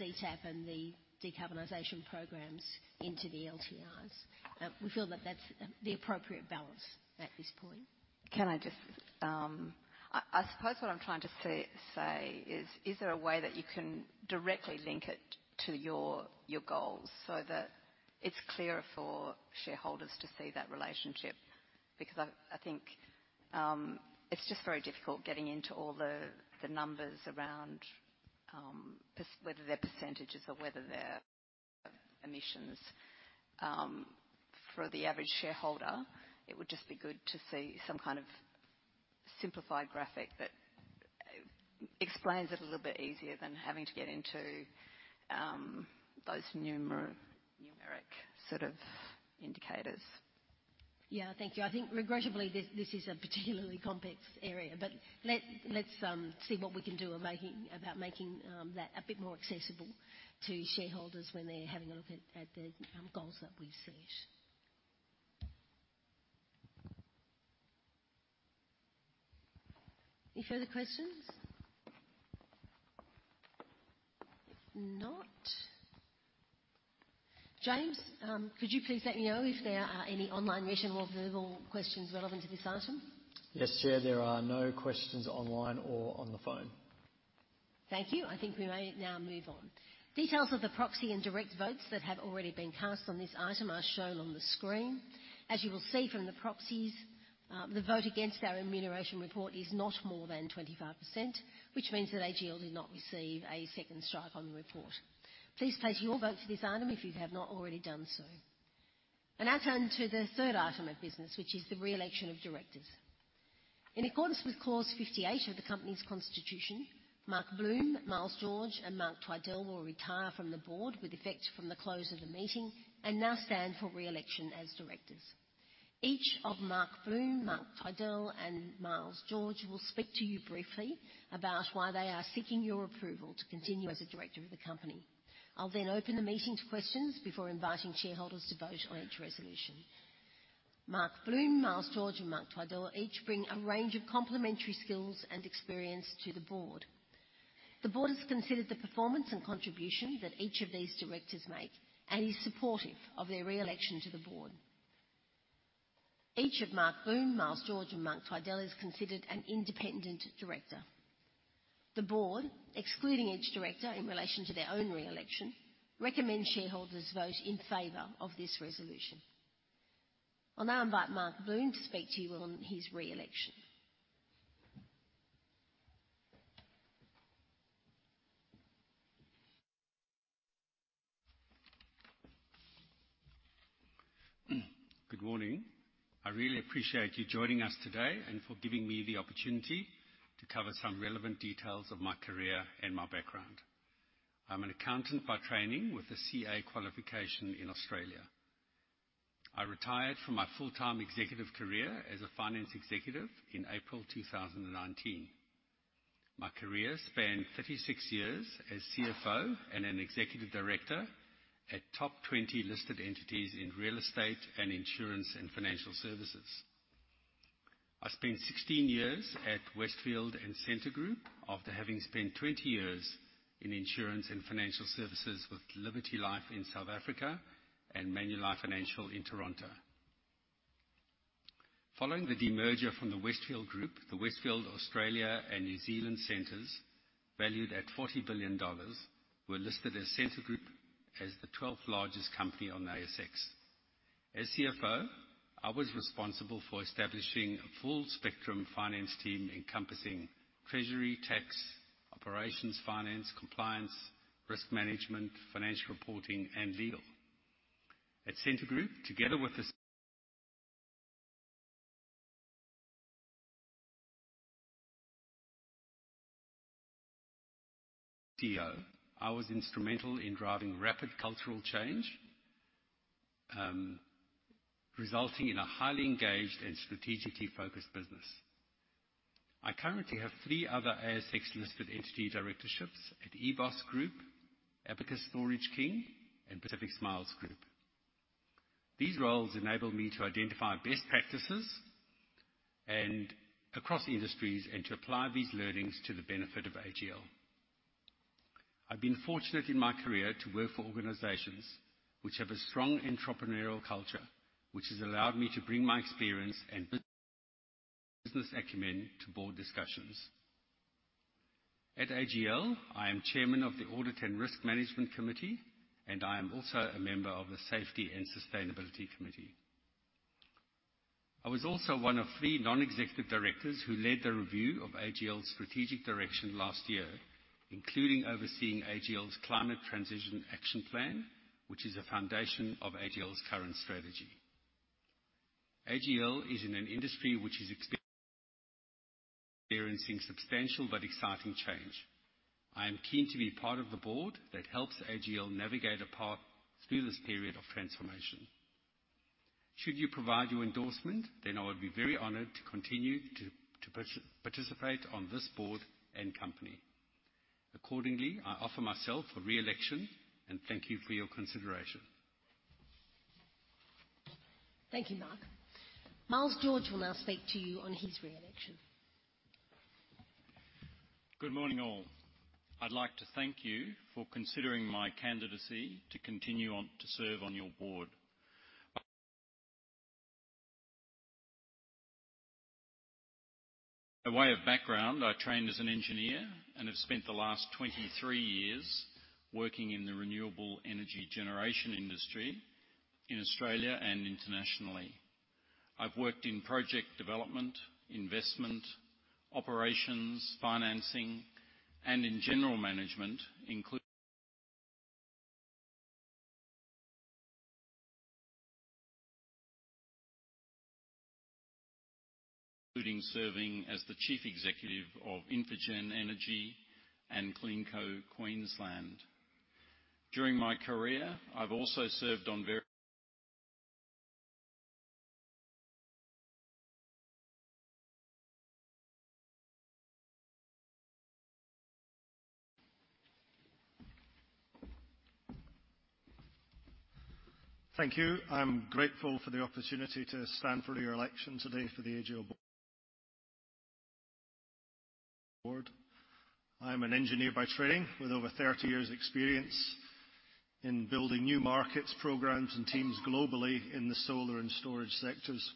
CTAP and the decarbonization programs into the LTIs. We feel that that's the appropriate balance at this point. Can I just... I suppose what I'm trying to say is: Is there a way that you can directly link it to your goals so that it's clearer for shareholders to see that relationship? Because I think it's just very difficult getting into all the numbers around whether they're percentages or whether they're emissions. For the average shareholder, it would just be good to see some kind of simplified graphic that explains it a little bit easier than having to get into those numeric sort of indicators. Yeah, thank you. I think regrettably, this is a particularly complex area, but let's see what we can do on making that a bit more accessible to shareholders when they're having a look at the goals that we've set... Any further questions? If not, James, could you please let me know if there are any online written or verbal questions relevant to this item? Yes, Chair, there are no questions online or on the phone. Thank you. I think we may now move on. Details of the proxy and direct votes that have already been cast on this item are shown on the screen. As you will see from the proxies, the vote against our Remuneration Report is not more than 25%, which means that AGL did not receive a second strike on the report. Please place your vote for this item if you have not already done so. And now turn to the third item of business, which is the re-election of directors. In accordance with Clause 58 of the company's Constitution, Mark Bloom, Miles George, and Mark Twidell will retire from the Board with effect from the close of the meeting and now stand for re-election as Directors. Each of Mark Bloom, Mark Twidell, and Miles George will speak to you briefly about why they are seeking your approval to continue as a Director of the company. I'll then open the meeting to questions before inviting shareholders to vote on each resolution. Mark Bloom, Miles George, and Mark Twidell each bring a range of complementary skills and experience to the Board. The Board has considered the performance and contribution that each of these directors make and is supportive of their re-election to the Board. Each of Mark Bloom, Miles George, and Mark Twidell is considered an independent director. The Board, excluding each director in relation to their own re-election, recommends shareholders vote in favor of this resolution. I'll now invite Mark Bloom to speak to you on his re-election. Good morning. I really appreciate you joining us today and for giving me the opportunity to cover some relevant details of my career and my background. I'm an accountant by training with a CA qualification in Australia. I retired from my full-time executive career as a finance executive in April 2019. My career spanned 36 years as CFO and an executive director at top 20 listed entities in real estate and insurance and financial services. I spent 16 years at Westfield and Scentre Group after having spent 20 years in insurance and financial services with Liberty Life in South Africa and Manulife Financial in Toronto. Following the demerger from the Westfield Group, the Westfield Australia and New Zealand centres, valued at AUD 40 billion, were listed as Scentre Group as the 12th largest company on the ASX. As CFO, I was responsible for establishing a full-spectrum finance team encompassing treasury, tax, operations, finance, compliance, risk management, financial reporting, and legal. At Scentre Group, together with the CEO, I was instrumental in driving rapid cultural change, resulting in a highly engaged and strategically focused business. I currently have three other ASX-listed entity directorships at EBOS Group, Abacus Storage King, and Pacific Smiles Group. These roles enable me to identify best practices and across industries and to apply these learnings to the benefit of AGL. I've been fortunate in my career to work for organizations which have a strong entrepreneurial culture, which has allowed me to bring my experience and business acumen to board discussions. At AGL, I am Chairman of the Audit and Risk Management Committee, and I am also a member of the Safety and Sustainability Committee. I was also one of three non-executive directors who led the review of AGL's strategic direction last year, including overseeing AGL's Climate Transition Action Plan, which is a foundation of AGL's current strategy. AGL is in an industry which is experiencing substantial but exciting change. I am keen to be part of the Board that helps AGL navigate a path through this period of transformation. Should you provide your endorsement, then I would be very honored to continue to participate on this Board and company. Accordingly, I offer myself for re-election, and thank you for your consideration. Thank you, Mark. Miles George will now speak to you on his re-election. Good morning, all. I'd like to thank you for considering my candidacy to continue on to serve on your board. A way of background, I trained as an engineer and have spent the last 23 years working in the renewable energy generation industry in Australia and internationally. I've worked in project development, investment, operations, financing, and in general management, including... serving as the Chief Executive of Infigen Energy and CleanCo Queensland. During my career, I've also served on various- ... Thank you. I'm grateful for the opportunity to stand for re-election today for the AGL Board. I am an engineer by training, with over 30 years experience in building new markets, programs, and teams globally in the solar and storage sectors.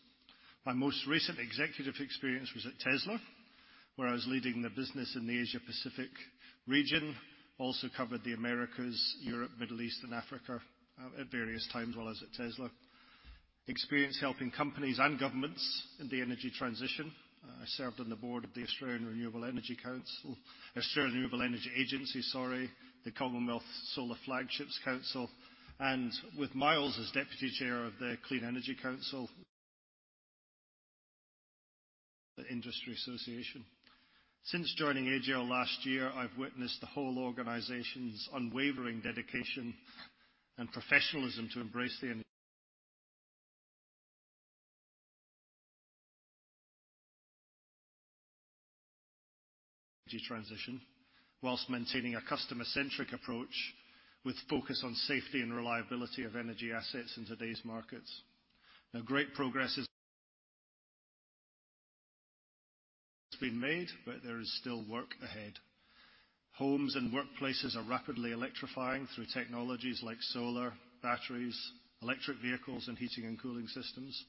My most recent executive experience was at Tesla, where I was leading the business in the Asia-Pacific region. Also covered the Americas, Europe, Middle East, and Africa at various times while I was at Tesla. Experience helping companies and governments in the energy transition. I served on the Board of the Australian Renewable Energy Council, Australian Renewable Energy Agency, sorry, the Commonwealth Solar Flagships Council, and with Miles as Deputy Chair of the Clean Energy Council, the Industry Association. Since joining AGL last year, I've witnessed the whole organization's unwavering dedication and professionalism to embrace the energy transition while maintaining a customer-centric approach, with focus on safety and reliability of energy assets in today's markets. Now, great progress has been made, but there is still work ahead. Homes and workplaces are rapidly electrifying through technologies like solar, batteries, electric vehicles, and heating and cooling systems.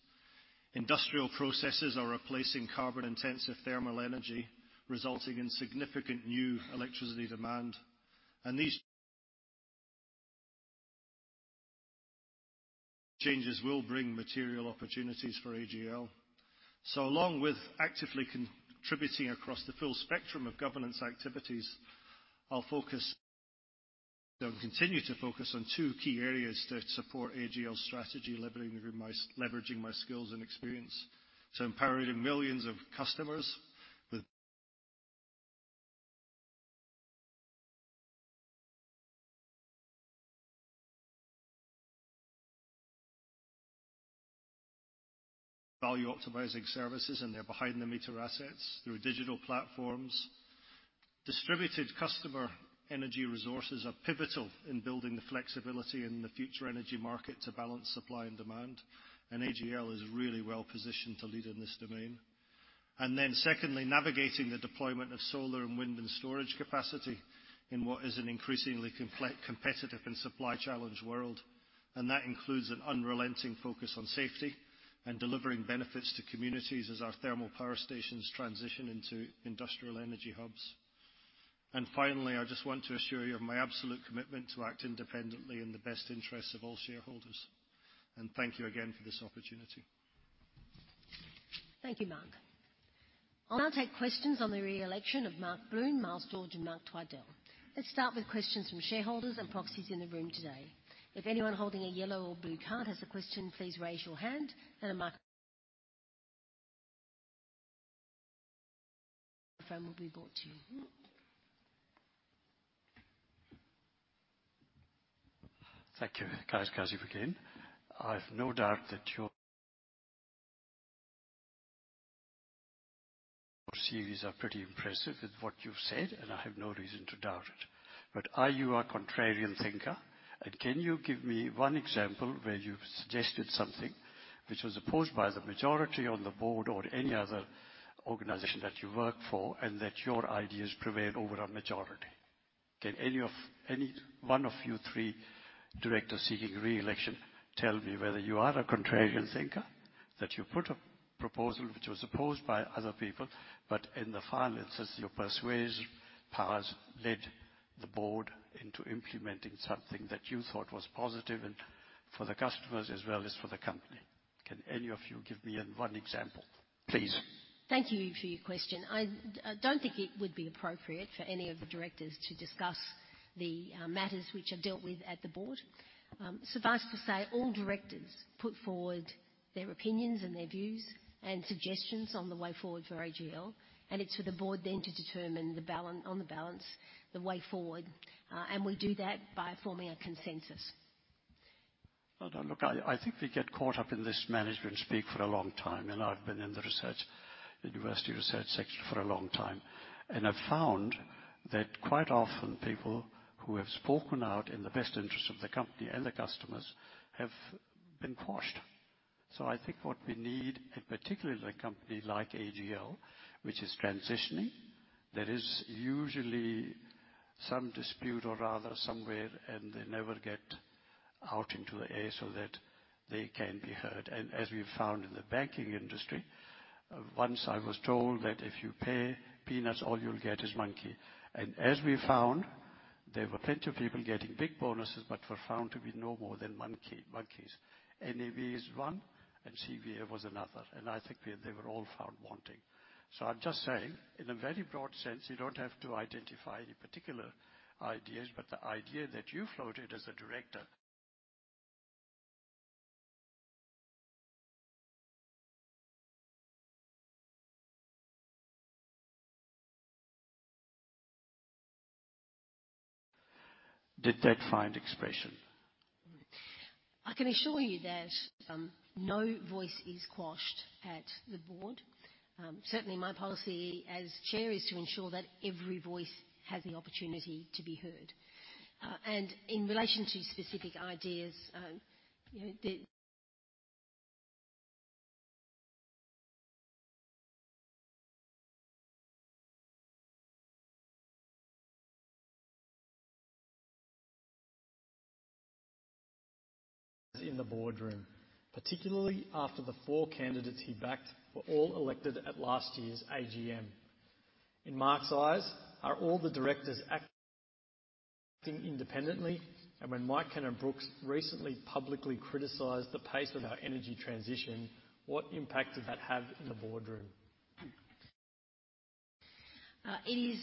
Industrial processes are replacing carbon-intensive thermal energy, resulting in significant new electricity demand, and these changes will bring material opportunities for AGL. So along with actively contributing across the full spectrum of governance activities, I'll focus and continue to focus on two key areas that support AGL's strategy, leveraging my skills and experience to empowering millions of customers with value-optimizing services, and their behind the meter assets through digital platforms. Distributed customer energy resources are pivotal in building the flexibility in the future energy market to balance supply and demand, and AGL is really well positioned to lead in this domain. And then secondly, navigating the deployment of solar and wind and storage capacity in what is an increasingly complex-competitive and supply-challenged world. And that includes an unrelenting focus on safety and delivering benefits to communities as our thermal power stations transition into industrial energy hubs. And finally, I just want to assure you of my absolute commitment to act independently in the best interests of all shareholders, and thank you again for this opportunity. Thank you, Mark. I'll now take questions on the re-election of Mark Bloom, Miles George, and Mark Twidell. Let's start with questions from shareholders and proxies in the room today. If anyone holding a yellow or blue card has a question, please raise your hand and a microphone will be brought to you. Thank you. Kazim again. I've no doubt that your CVs are pretty impressive with what you've said, and I have no reason to doubt it. But are you a contrarian thinker? And can you give me one example where you've suggested something which was opposed by the majority on the Board or any other organization that you work for, and that your ideas prevailed over a majority? Can any of, any one of you three directors seeking re-election, tell me whether you are a contrarian thinker, that you put a proposal which was opposed by other people, but in the final analysis, your persuasive powers led the Board into implementing something that you thought was positive and for the customers as well as for the company? Can any of you give me one example, please? Thank you for your question. I don't think it would be appropriate for any of the directors to discuss the matters which are dealt with at the Board. Suffice to say, all directors put forward their opinions and their views and suggestions on the way forward for AGL, and it's for the Board then to determine the balance, on the balance, the way forward. And we do that by forming a consensus. Well, look, I, I think we get caught up in this management speak for a long time, and I've been in the research, the university research sector for a long time, and I've found that quite often people who have spoken out in the best interest of the company and the customers have been quashed. So I think what we need, and particularly in a company like AGL, which is transitioning, there is usually some dispute or rather somewhere, and they never get out into the air so that they can be heard. And as we found in the banking industry, once I was told that if you pay peanuts, all you'll get is monkey. And as we found, there were plenty of people getting big bonuses, but were found to be no more than monkey, monkeys. NAB is one, and CBA was another, and I think they were all found wanting. So I'm just saying, in a very broad sense, you don't have to identify any particular ideas, but the idea that you floated as a director, did that find expression? I can assure you that no voice is quashed at the Board. Certainly my policy as Chair is to ensure that every voice has the opportunity to be heard. In relation to specific ideas, you know, the- ... in the Boardroom, particularly after the four candidates he backed were all elected at last year's AGM. In Mark's eyes, are all the directors acting independently? And when Mike Cannon-Brookes recently publicly criticized the pace of our energy transition, what impact did that have in the Boardroom? It is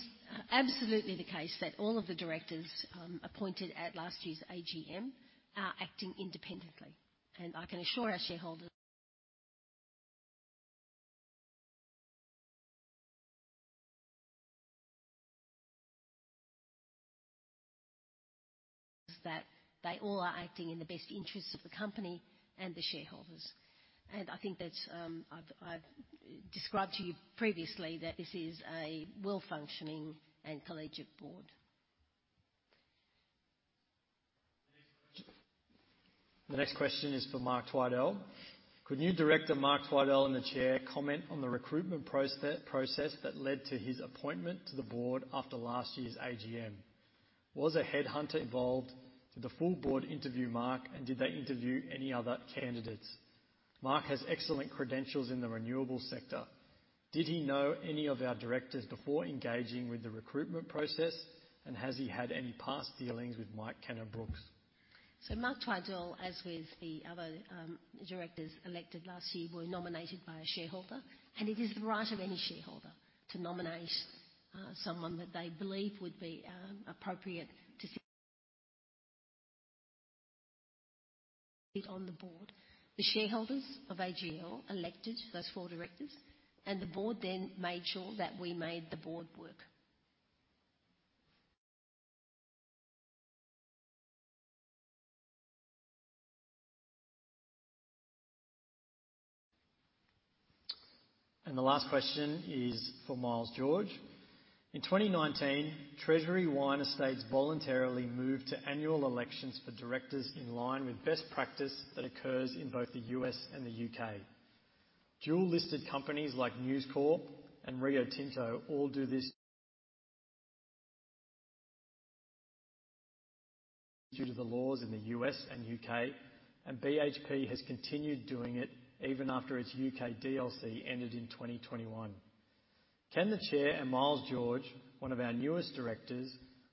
absolutely the case that all of the directors appointed at last year's AGM are acting independently, and I can assure our shareholders that they all are acting in the best interests of the company and the shareholders. I think that's... I've described to you previously that this is a well-functioning and collegiate board. The next question is for Mark Twidell. Could new director, Mark Twidell, and the Chair, comment on the recruitment process that led to his appointment to the Board after last year's AGM? Was a headhunter involved? Did the full board interview Mark, and did they interview any other candidates? Mark has excellent credentials in the renewables sector. Did he know any of our directors before engaging with the recruitment process, and has he had any past dealings with Mike Cannon-Brookes? So Mark Twidell, as with the other, directors elected last year, were nominated by a shareholder, and it is the right of any shareholder to nominate, someone that they believe would be, appropriate to sit on the Board. The shareholders of AGL elected those four directors, and the Board then made sure that we made the Board work. The last question is for Miles George. In 2019, Treasury Wine Estates voluntarily moved to annual elections for directors in line with best practice that occurs in both the U.S. and the U.K. Dual-listed companies like News Corp and Rio Tinto all do this, due to the laws in the U.S. and U.K., and BHP has continued doing it even after its U.K. DLC ended in 2021. Can the Chair and Miles George, one of our newest directors,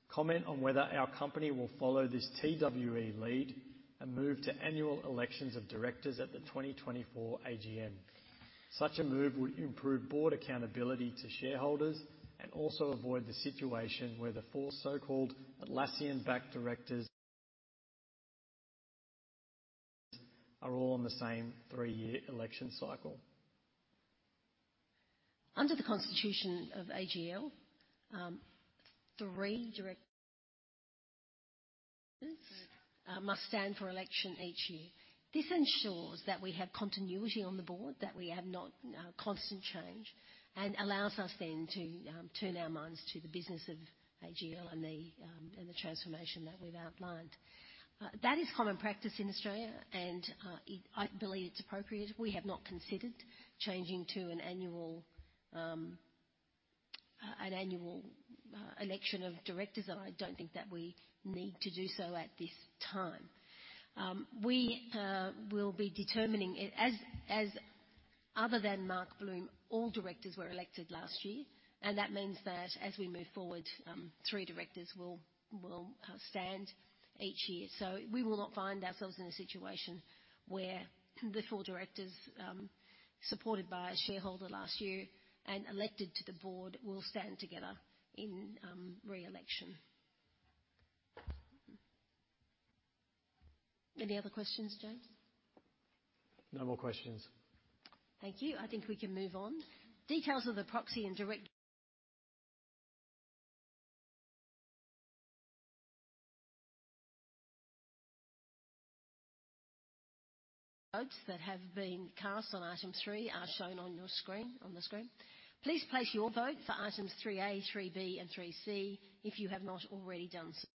comment on whether our company will follow this TWE lead and move to annual elections of directors at the 2024 AGM? Such a move would improve board accountability to shareholders and also avoid the situation where the four so-called Atlassian-backed directors are all on the same three-year election cycle. Under the Constitution of AGL, three directors must stand for election each year. This ensures that we have continuity on the Board, that we have not constant change, and allows us then to turn our minds to the business of AGL and the transformation that we've outlined. That is common practice in Australia, and I believe it's appropriate. We have not considered changing to an annual election of directors, and I don't think that we need to do so at this time. We will be determining it. As other than Mark Bloom, all directors were elected last year, and that means that as we move forward, three directors will stand each year. So we will not find ourselves in a situation where the four directors, supported by a shareholder last year and elected to the Board, will stand together in re-election. Any other questions, James? No more questions. Thank you. I think we can move on. Details of the proxy and direct votes that have been cast on Item 3 are shown on your screen, on the screen. Please place your vote for Items 3A, 3B, and 3C, if you have not already done so.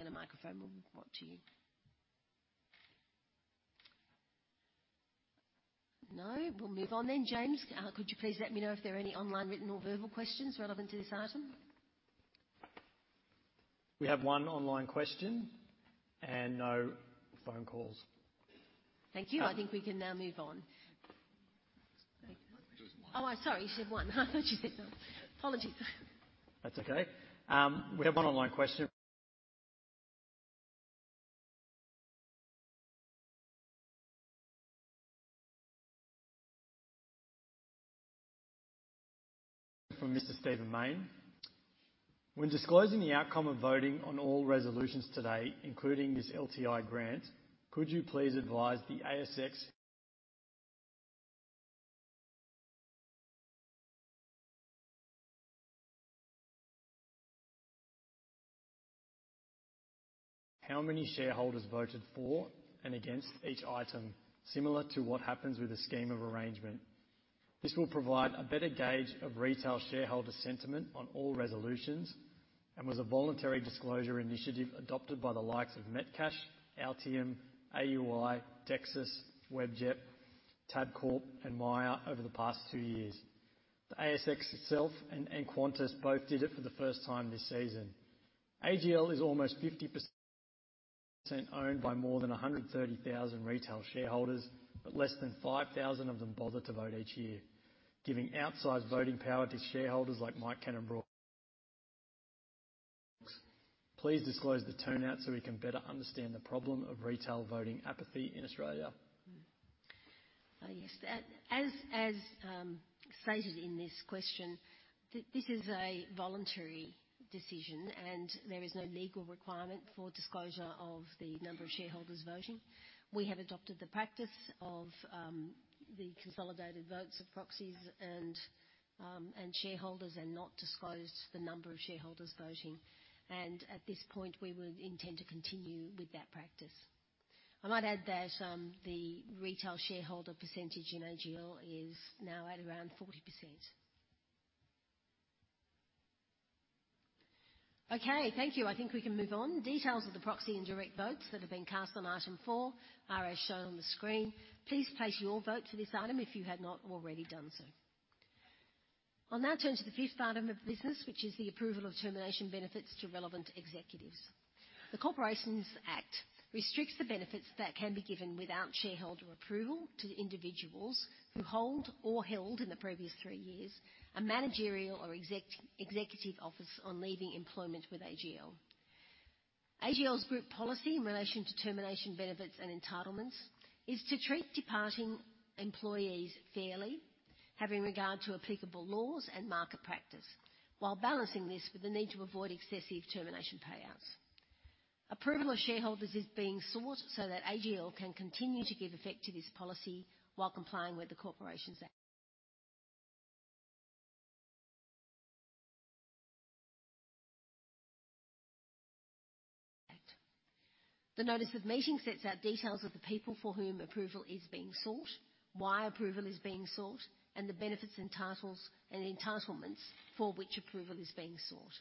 And a microphone will be brought to you. No? We'll move on then. James, could you please let me know if there are any online, written, or verbal questions relevant to this item? We have one online question and no phone calls. Thank you. I think we can now move on. There was one. Oh, I'm sorry, you said one. I thought you said none. Apologies. That's okay. We have one online question. From Mr. Stephen Mayne. When disclosing the outcome of voting on all resolutions today, including this LTI grant, could you please advise the ASX how many shareholders voted for and against each item, similar to what happens with a scheme of arrangement? This will provide a better gauge of retail shareholder sentiment on all resolutions, and was a voluntary disclosure initiative adopted by the likes of Metcash, Altium, AUI, Dexus, Webjet, Tabcorp, and Myer over the past two years. The ASX itself and Qantas both did it for the first time this season. AGL is almost 50% owned by more than 130,000 retail shareholders, but less than 5,000 of them bother to vote each year, giving outsized voting power to shareholders like Mike Cannon-Brookes. Please disclose the turnout so we can better understand the problem of retail voting apathy in Australia. Yes. As stated in this question, this is a voluntary decision, and there is no legal requirement for disclosure of the number of shareholders voting. We have adopted the practice of the consolidated votes of proxies and shareholders, and not disclosed the number of shareholders voting, and at this point, we would intend to continue with that practice. I might add that the retail shareholder percentage in AGL is now at around 40%. Okay, thank you. I think we can move on. Details of the proxy and direct votes that have been cast on Item 4 are as shown on the screen. Please place your vote for this item if you had not already done so. I'll now turn to the fifth item of business, which is the approval of termination benefits to relevant executives. The Corporations Act restricts the benefits that can be given without shareholder approval to individuals who hold or held, in the previous three years, a managerial or executive office on leaving employment with AGL. AGL's group policy in relation to termination benefits and entitlements is to treat departing employees fairly, having regard to applicable laws and market practice, while balancing this with the need to avoid excessive termination payouts. Approval of shareholders is being sought so that AGL can continue to give effect to this policy while complying with the Corporations Act. The notice of meeting sets out details of the people for whom approval is being sought, why approval is being sought, and the benefits, entitlements, and entitlements for which approval is being sought.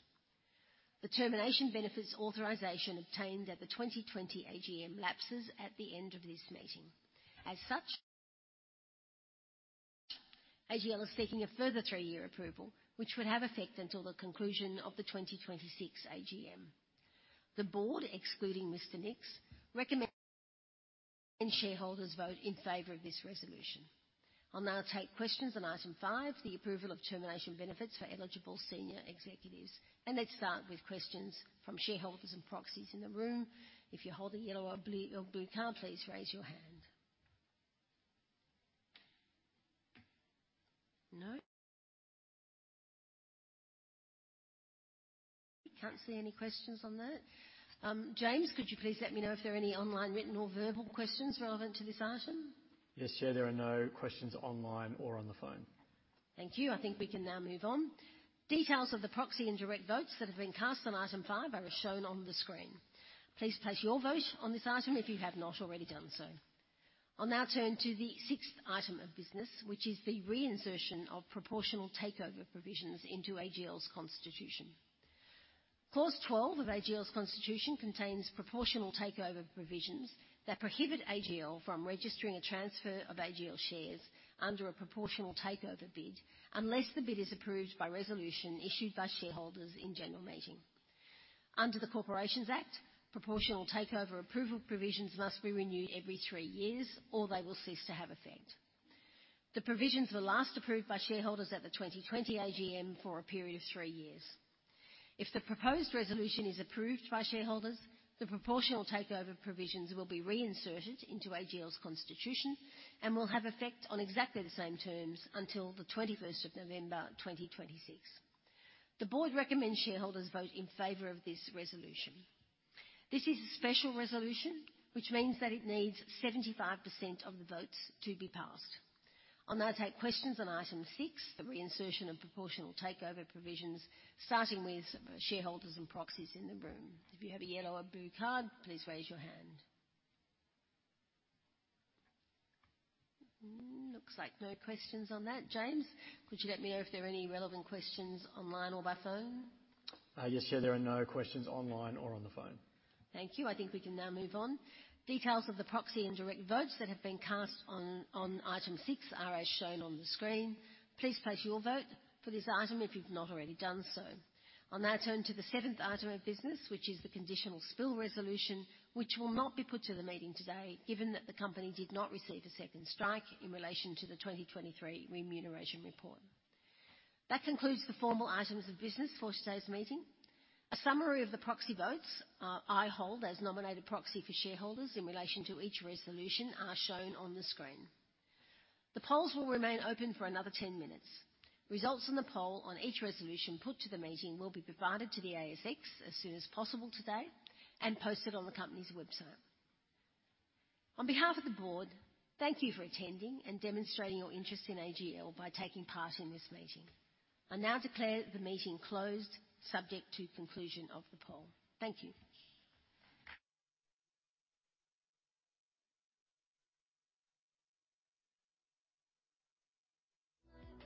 The termination benefits authorization obtained at the 2020 AGM lapses at the end of this meeting. As such, AGL is seeking a further three-year approval, which would have effect until the conclusion of the 2026 AGM. The Board, excluding Mr. Nicks, recommends shareholders vote in favor of this resolution. I'll now take questions on Item 5, the approval of termination benefits for eligible senior executives, and let's start with questions from shareholders and proxies in the room. If you hold a yellow or blue card, please raise your hand. No? I can't see any questions on that. James, could you please let me know if there are any online, written, or verbal questions relevant to this item? Yes, Chair, there are no questions online or on the phone. Thank you. I think we can now move on. Details of the proxy and direct votes that have been cast on Item 5 are as shown on the screen. Please place your vote on this item if you have not already done so. I'll now turn to the sixth item of business, which is the reinsertion of proportional takeover provisions into AGL's Constitution. Clause 12 of AGL's Constitution contains proportional takeover provisions that prohibit AGL from registering a transfer of AGL shares under a proportional takeover bid, unless the bid is approved by resolution issued by shareholders in general meeting. Under the Corporations Act, proportional takeover approval provisions must be renewed every three years, or they will cease to have effect. The provisions were last approved by shareholders at the 2020 AGM for a period of three years. If the proposed resolution is approved by shareholders, the proportional takeover provisions will be reinserted into AGL's Constitution and will have effect on exactly the same terms until the 21st of November 2026. The Board recommends shareholders vote in favor of this resolution. This is a special resolution, which means that it needs 75% of the votes to be passed. I'll now take questions on Item 6, the reinsertion of proportional takeover provisions, starting with shareholders and proxies in the room. If you have a yellow or blue card, please raise your hand. Looks like no questions on that. James, could you let me know if there are any relevant questions online or by phone? Yes, Chair, there are no questions online or on the phone. Thank you. I think we can now move on. Details of the proxy and direct votes that have been cast on Item 6 are as shown on the screen. Please place your vote for this item if you've not already done so. I'll now turn to the 7th item of business, which is the Conditional Spill Resolution, which will not be put to the meeting today, given that the company did not receive a second strike in relation to the 2023 Remuneration Report. That concludes the formal items of business for today's meeting. A summary of the proxy votes I hold as nominated proxy for shareholders in relation to each resolution are shown on the screen. The polls will remain open for another 10 minutes. Results from the poll on each resolution put to the meeting will be provided to the ASX as soon as possible today and posted on the company's website. On behalf of the Board, thank you for attending and demonstrating your interest in AGL by taking part in this meeting. I now declare the meeting closed, subject to conclusion of the poll. Thank you.